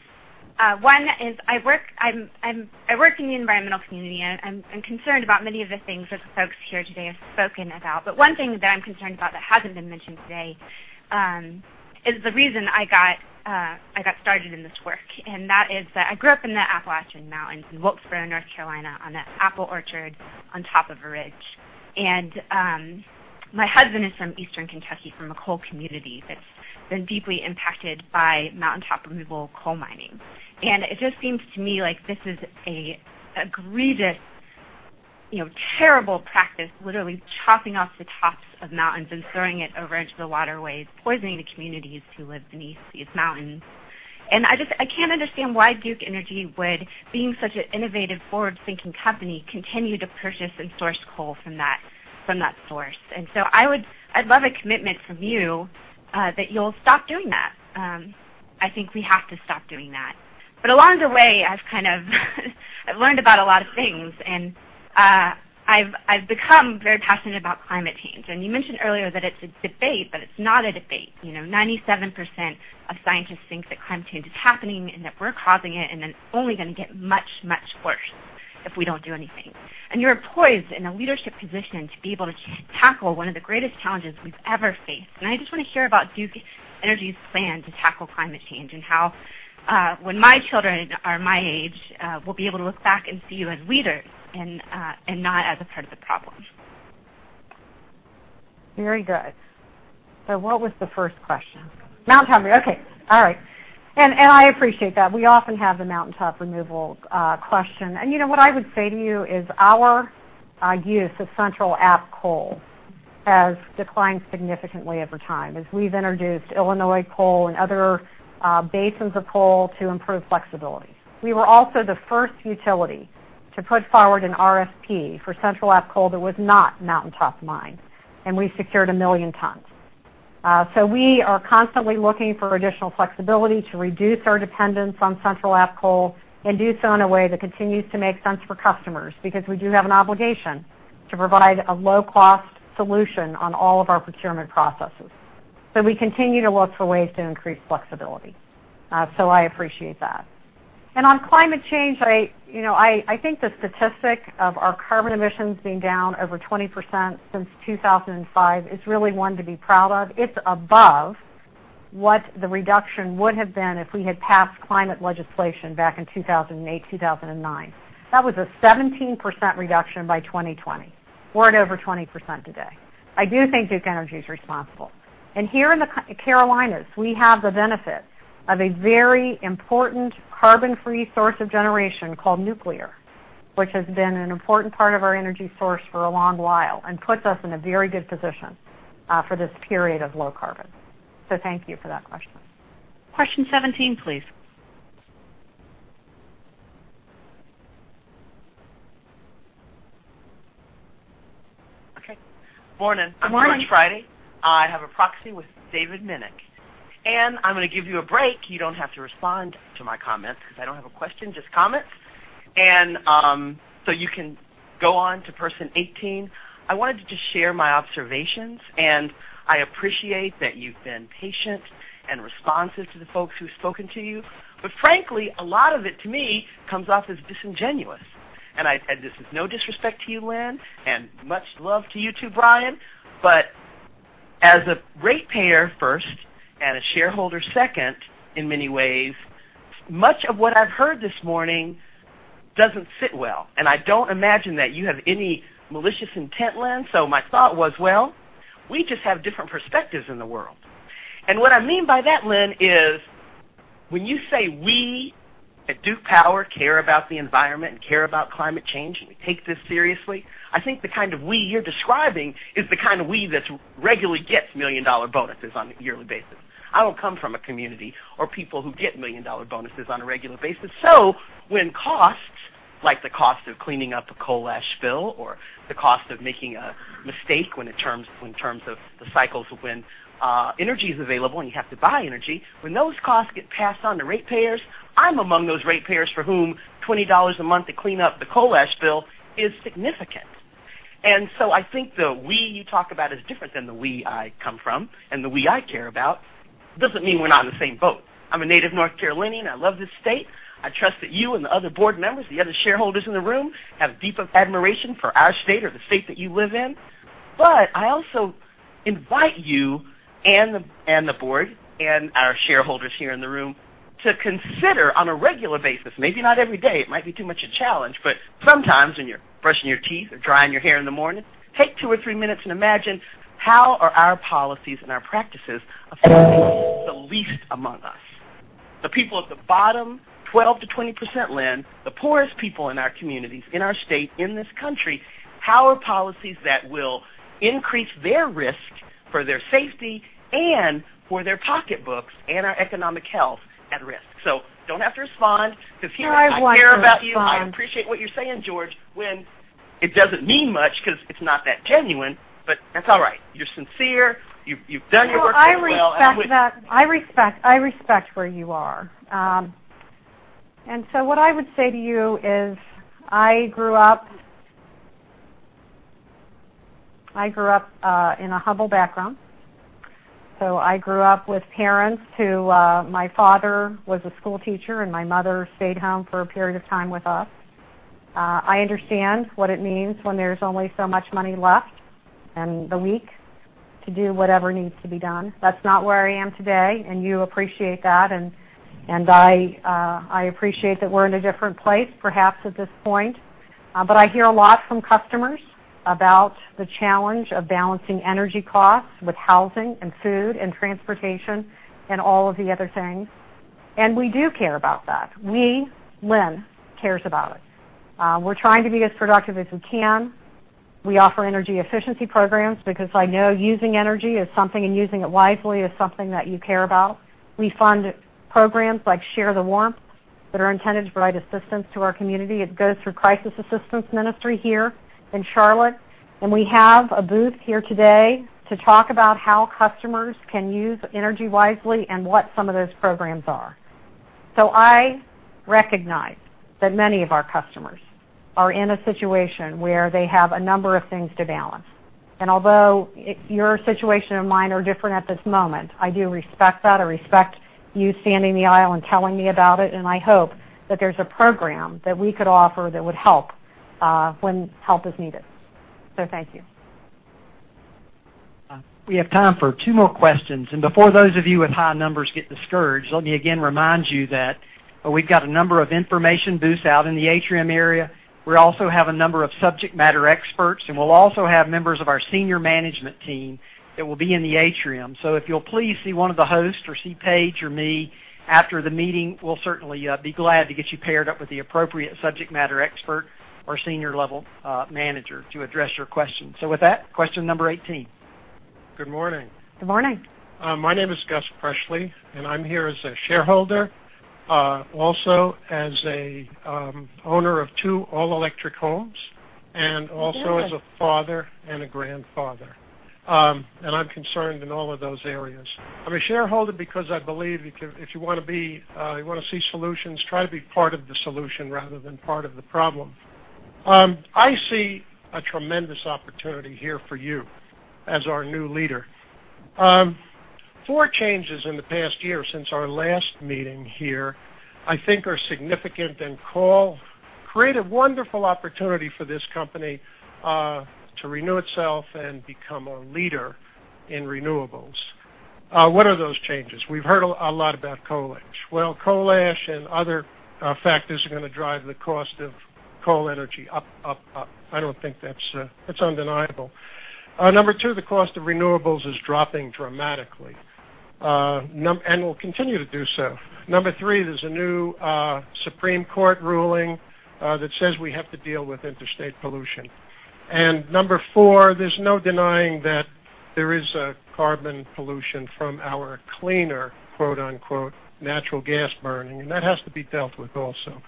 One is I work in the environmental community, and I'm concerned about many of the things that the folks here today have spoken about. One thing that I'm concerned about that hasn't been mentioned today, is the reason I got started in this work, and that is that I grew up in the Appalachian Mountains in Wilkesboro, North Carolina, on an apple orchard on top of a ridge. My husband is from Eastern Kentucky, from a coal community that's been deeply impacted by mountaintop removal coal mining. It just seems to me like this is a grievous terrible practice, literally chopping off the tops of mountains and throwing it over into the waterways, poisoning the communities who live beneath these mountains. I can't understand why Duke Energy would, being such an innovative, forward-thinking company, continue to purchase and source coal from that source. I'd love a commitment from you that you'll stop doing that. I think we have to stop doing that. Along the way, I've learned about a lot of things, and I've become very passionate about climate change. You mentioned earlier that it's a debate, but it's not a debate. 97% of scientists think that climate change is happening and that we're causing it's only going to get much worse if we don't do anything. You're poised in a leadership position to be able to tackle one of the greatest challenges we've ever faced. I just want to hear about Duke Energy's plan to tackle climate change and how, when my children are my age, we'll be able to look back and see you as leaders and not as a part of the problem. Very good. What was the first question? Mountaintop removal. Okay. All right. I appreciate that. We often have the mountaintop removal question. What I would say to you is our use of Central Appalachian Coal has declined significantly over time as we've introduced Illinois coal and other basins of coal to improve flexibility. We were also the first utility to put forward an RFP for Central Appalachian Coal that was not mountaintop mined, and we secured 1 million tons. We are constantly looking for additional flexibility to reduce our dependence on Central Appalachian Coal and do so in a way that continues to make sense for customers, because we do have an obligation to provide a low-cost solution on all of our procurement processes. We continue to look for ways to increase flexibility. I appreciate that. On climate change, I think the statistic of our carbon emissions being down over 20% since 2005 is really one to be proud of. It's above what the reduction would have been if we had passed climate legislation back in 2008, 2009. That was a 17% reduction by 2020. We're at over 20% today. I do think Duke Energy is responsible. Here in the Carolinas, we have the benefit of a very important carbon-free source of generation called nuclear, which has been an important part of our energy source for a long while and puts us in a very good position for this period of low carbon. Thank you for that question. Question 17, please. Okay. Morning. Morning. I'm George Friday. I have a proxy with David Minnick. I'm going to give you a break. You don't have to respond to my comments because I don't have a question, just comments. You can go on to person 18. I wanted to just share my observations, and I appreciate that you've been patient and responsive to the folks who've spoken to you. Frankly, a lot of it, to me, comes off as disingenuous. This is no disrespect to you, Lynn, and much love to you, too, Brian. As a ratepayer first and a shareholder second, in many ways, much of what I've heard this morning doesn't sit well. I don't imagine that you have any malicious intent, Lynn. My thought was, well, we just have different perspectives in the world. What I mean by that, Lynn, is when you say we at Duke Power care about the environment and care about climate change, and we take this seriously, I think the kind of "we" you're describing is the kind of "we" that regularly gets million-dollar bonuses on a yearly basis. I don't come from a community or people who get million-dollar bonuses on a regular basis. When costs, like the cost of cleaning up a coal ash spill or the cost of making a mistake in terms of the cycles of when energy is available and you have to buy energy, when those costs get passed on to ratepayers, I'm among those ratepayers for whom $20 a month to clean up the coal ash spill is significant. I think the "we" you talk about is different than the "we" I come from and the "we" I care about. Doesn't mean we're not in the same boat. I'm a native North Carolinian. I love this state. I trust that you and the other board members, the other shareholders in the room, have deep admiration for our state or the state that you live in. I also invite you and the board and our shareholders here in the room to consider on a regular basis, maybe not every day, it might be too much a challenge. Sometimes when you're brushing your teeth or drying your hair in the morning, take two or three minutes and imagine how are our policies and our practices affecting the least among us, the people at the bottom 12%-20%, Lynn, the poorest people in our communities, in our state, in this country. How are policies that will increase their risk for their safety and for their pocketbooks and our economic health at risk? Don't have to respond to feel like. No, I want to respond I care about you. I appreciate what you're saying, George, when it doesn't mean much because it's not that genuine, but that's all right. You're sincere. You've done your work very well. No, I respect where you are. What I would say to you is I grew up in a humble background. I grew up with parents who, my father was a school teacher, and my mother stayed home for a period of time with us. I understand what it means when there's only so much money left in the week to do whatever needs to be done. That's not where I am today, and you appreciate that, and I appreciate that we're in a different place, perhaps at this point. I hear a lot from customers about the challenge of balancing energy costs with housing and food and transportation and all of the other things. We do care about that. We, Lynn, cares about it. We're trying to be as productive as we can. We offer energy efficiency programs because I know using energy is something, and using it wisely is something that you care about. We fund programs like Share the Warmth that are intended to provide assistance to our community. It goes through Crisis Assistance Ministry here in Charlotte, and we have a booth here today to talk about how customers can use energy wisely and what some of those programs are. I recognize that many of our customers are in a situation where they have a number of things to balance. Although your situation and mine are different at this moment, I do respect that. I respect you standing in the aisle and telling me about it, and I hope that there's a program that we could offer that would help when help is needed. Thank you. We have time for two more questions. Before those of you with high numbers get discouraged, let me again remind you that we've got a number of information booths out in the atrium area. We also have a number of subject matter experts, and we'll also have members of our senior management team that will be in the atrium. If you'll please see one of the hosts or see Paige or me after the meeting, we'll certainly be glad to get you paired up with the appropriate subject matter expert or senior-level manager to address your questions. With that, question number 18. Good morning. Good morning. My name is Gus Presley, I'm here as a shareholder, also as an owner of two all-electric homes also as a father and a grandfather. I'm concerned in all of those areas. I'm a shareholder because I believe if you want to see solutions, try to be part of the solution rather than part of the problem. I see a tremendous opportunity here for you as our new leader. Four changes in the past year since our last meeting here, I think, are significant and create a wonderful opportunity for this company to renew itself and become a leader in renewables. What are those changes? We've heard a lot about coal ash. Well, coal ash and other factors are going to drive the cost of coal energy up. I don't think that's undeniable. Number 2, the cost of renewables is dropping dramatically, and will continue to do so. Number 3, there's a new U.S. Supreme Court ruling that says we have to deal with interstate pollution. Number 4, there's no denying that there is carbon pollution from our cleaner, quote unquote, "natural gas burning" and that has to be dealt with also.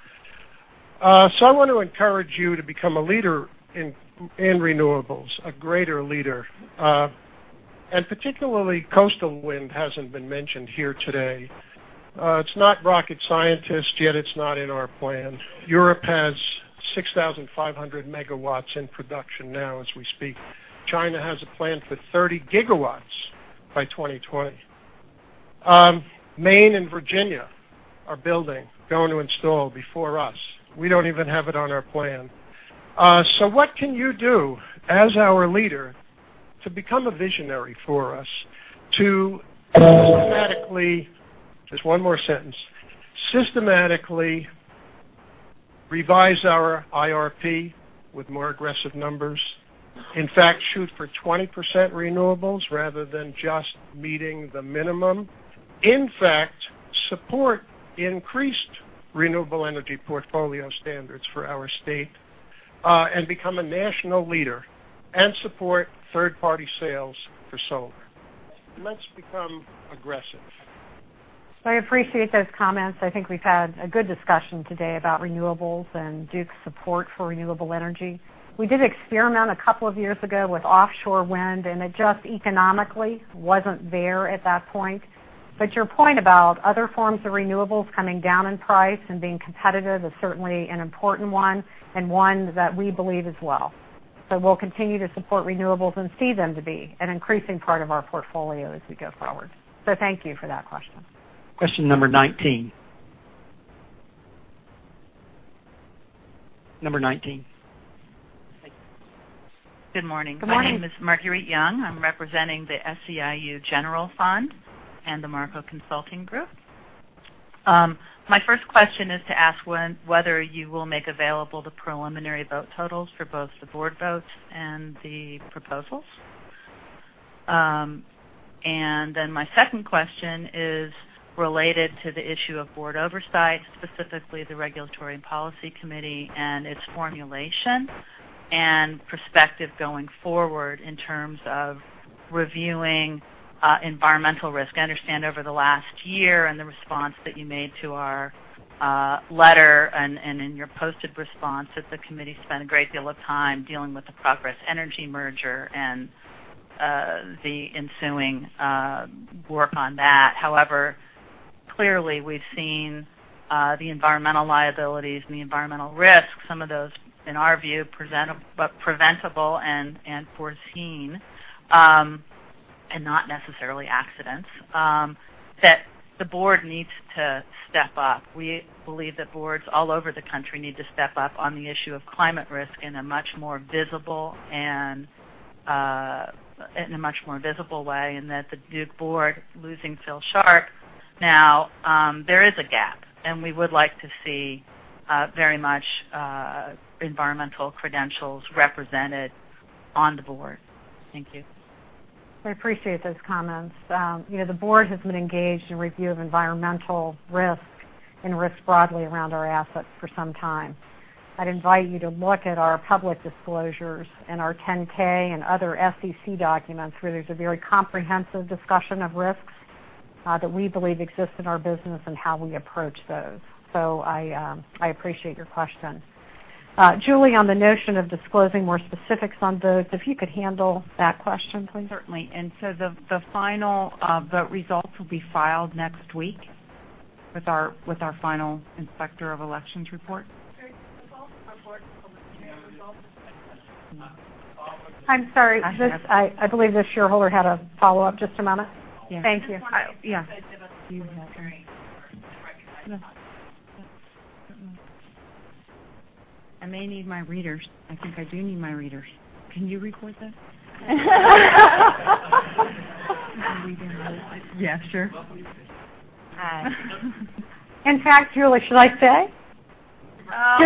I want to encourage you to become a leader in renewables, a greater leader. Particularly, coastal wind hasn't been mentioned here today. It's not rocket science, yet it's not in our plan. Europe has 6,500 megawatts in production now as we speak. China has a plan for 30 gigawatts by 2020. Maine and Virginia are building, going to install before us. We don't even have it on our plan. What can you do as our leader to become a visionary for us to systematically, just one more sentence, systematically revise our IRP with more aggressive numbers. In fact, shoot for 20% renewables rather than just meeting the minimum. In fact, support increased renewable energy portfolio standards for our state, become a national leader, support third-party sales for solar. Let's become aggressive. I appreciate those comments. I think we've had a good discussion today about renewables and Duke's support for renewable energy. We did experiment a couple of years ago with offshore wind, and it just economically wasn't there at that point. Your point about other forms of renewables coming down in price and being competitive is certainly an important one and one that we believe as well. We'll continue to support renewables and see them to be an increasing part of our portfolio as we go forward. Thank you for that question. Question number 19. Number 19. Good morning. Good morning. My name is Marguerite Young. I am representing the SEIU General Fund and the Marco Consulting Group. My first question is to ask whether you will make available the preliminary vote totals for both the board votes and the proposals. My second question is related to the issue of board oversight, specifically the regulatory and policy committee and its formulation and perspective going forward in terms of reviewing environmental risk. I understand over the last year and the response that you made to our letter and in your posted response that the committee spent a great deal of time dealing with the Progress Energy merger and the ensuing work on that. Clearly we have seen the environmental liabilities and the environmental risks, some of those, in our view, preventable and foreseen, and not necessarily accidents, that the board needs to step up. We believe that boards all over the country need to step up on the issue of climate risk in a much more visible way, and that the Duke board losing Philip Sharp, now there is a gap, and we would like to see very much environmental credentials represented on the board. Thank you. I appreciate those comments. The board has been engaged in review of environmental risk and risk broadly around our assets for some time. I would invite you to look at our public disclosures and our 10-K and other SEC documents, where there is a very comprehensive discussion of risks that we believe exist in our business and how we approach those. I appreciate your question. Julie, on the notion of disclosing more specifics on votes, if you could handle that question, please. Certainly. The final vote results will be filed next week with our final Inspector of Election report. Very simple. Our board will maintain results. I'm sorry. I believe this shareholder had a follow-up. Just a moment. Yeah. Thank you. Yeah. I may need my readers. I think I do need my readers. Can you record this? Yeah, sure. In fact, Julie, should I say?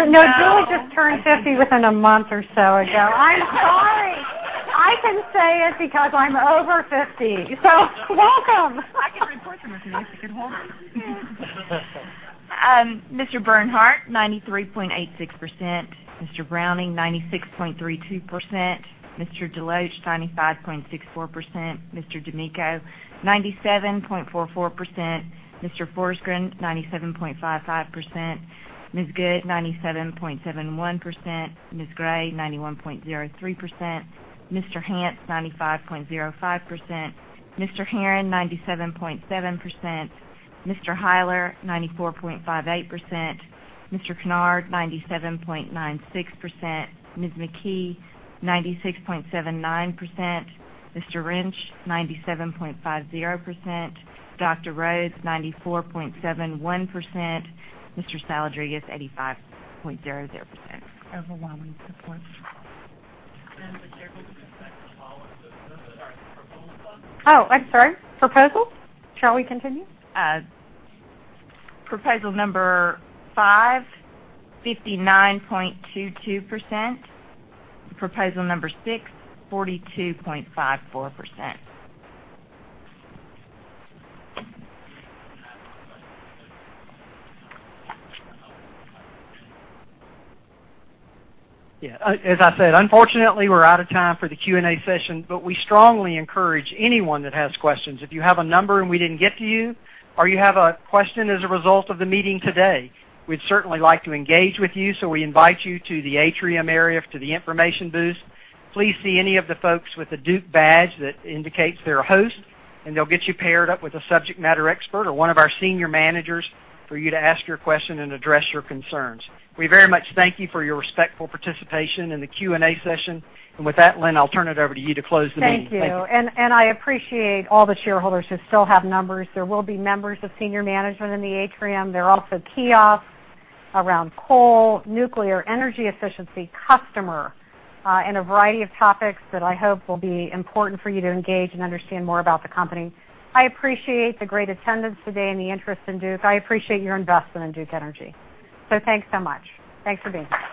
No. Julie just turned 50 within a month or so ago. I'm sorry. I can say it because I'm over 50. Welcome. I can continue if you can hold me. Mr. Bernhardt, 93.86%. Mr. Browning, 96.32%. Mr. DeLoach, 95.64%. Mr. DiMicco, 97.44%. Mr. Forsgren, 97.55%. Ms. Good, 97.71%. Ms. Gray, 91.03%. Mr. Hance, 95.05%. Mr. Herron, 97.7%. Mr. Hyler, 94.58%. Mr. Kennard, 97.96%. Ms. McKee, 96.79%. Mr. Rench, 97.50%. Dr. Rhodes, 94.71%. Mr. Saladrigas, 85.00%. Overwhelming support. Chair, could you go back to the proposal slide. Oh, I'm sorry. Proposals? Shall we continue? Proposal number five, 59.22%. Proposal number six, 42.54%. Yeah. As I said, unfortunately, we're out of time for the Q&A session. We strongly encourage anyone that has questions, if you have a number and we didn't get to you, or you have a question as a result of the meeting today, we'd certainly like to engage with you. We invite you to the atrium area, to the information booth. Please see any of the folks with the Duke badge that indicates they're a host, and they'll get you paired up with a subject matter expert or one of our senior managers for you to ask your question and address your concerns. We very much thank you for your respectful participation in the Q&A session. With that, Lynn, I'll turn it over to you to close the meeting. Thank you. Thank you. I appreciate all the shareholders who still have numbers. There will be members of senior management in the atrium. There are also kiosks around coal, nuclear, energy efficiency, customer, and a variety of topics that I hope will be important for you to engage and understand more about the company. I appreciate the great attendance today and the interest in Duke. I appreciate your investment in Duke Energy. Thanks so much. Thanks for being here.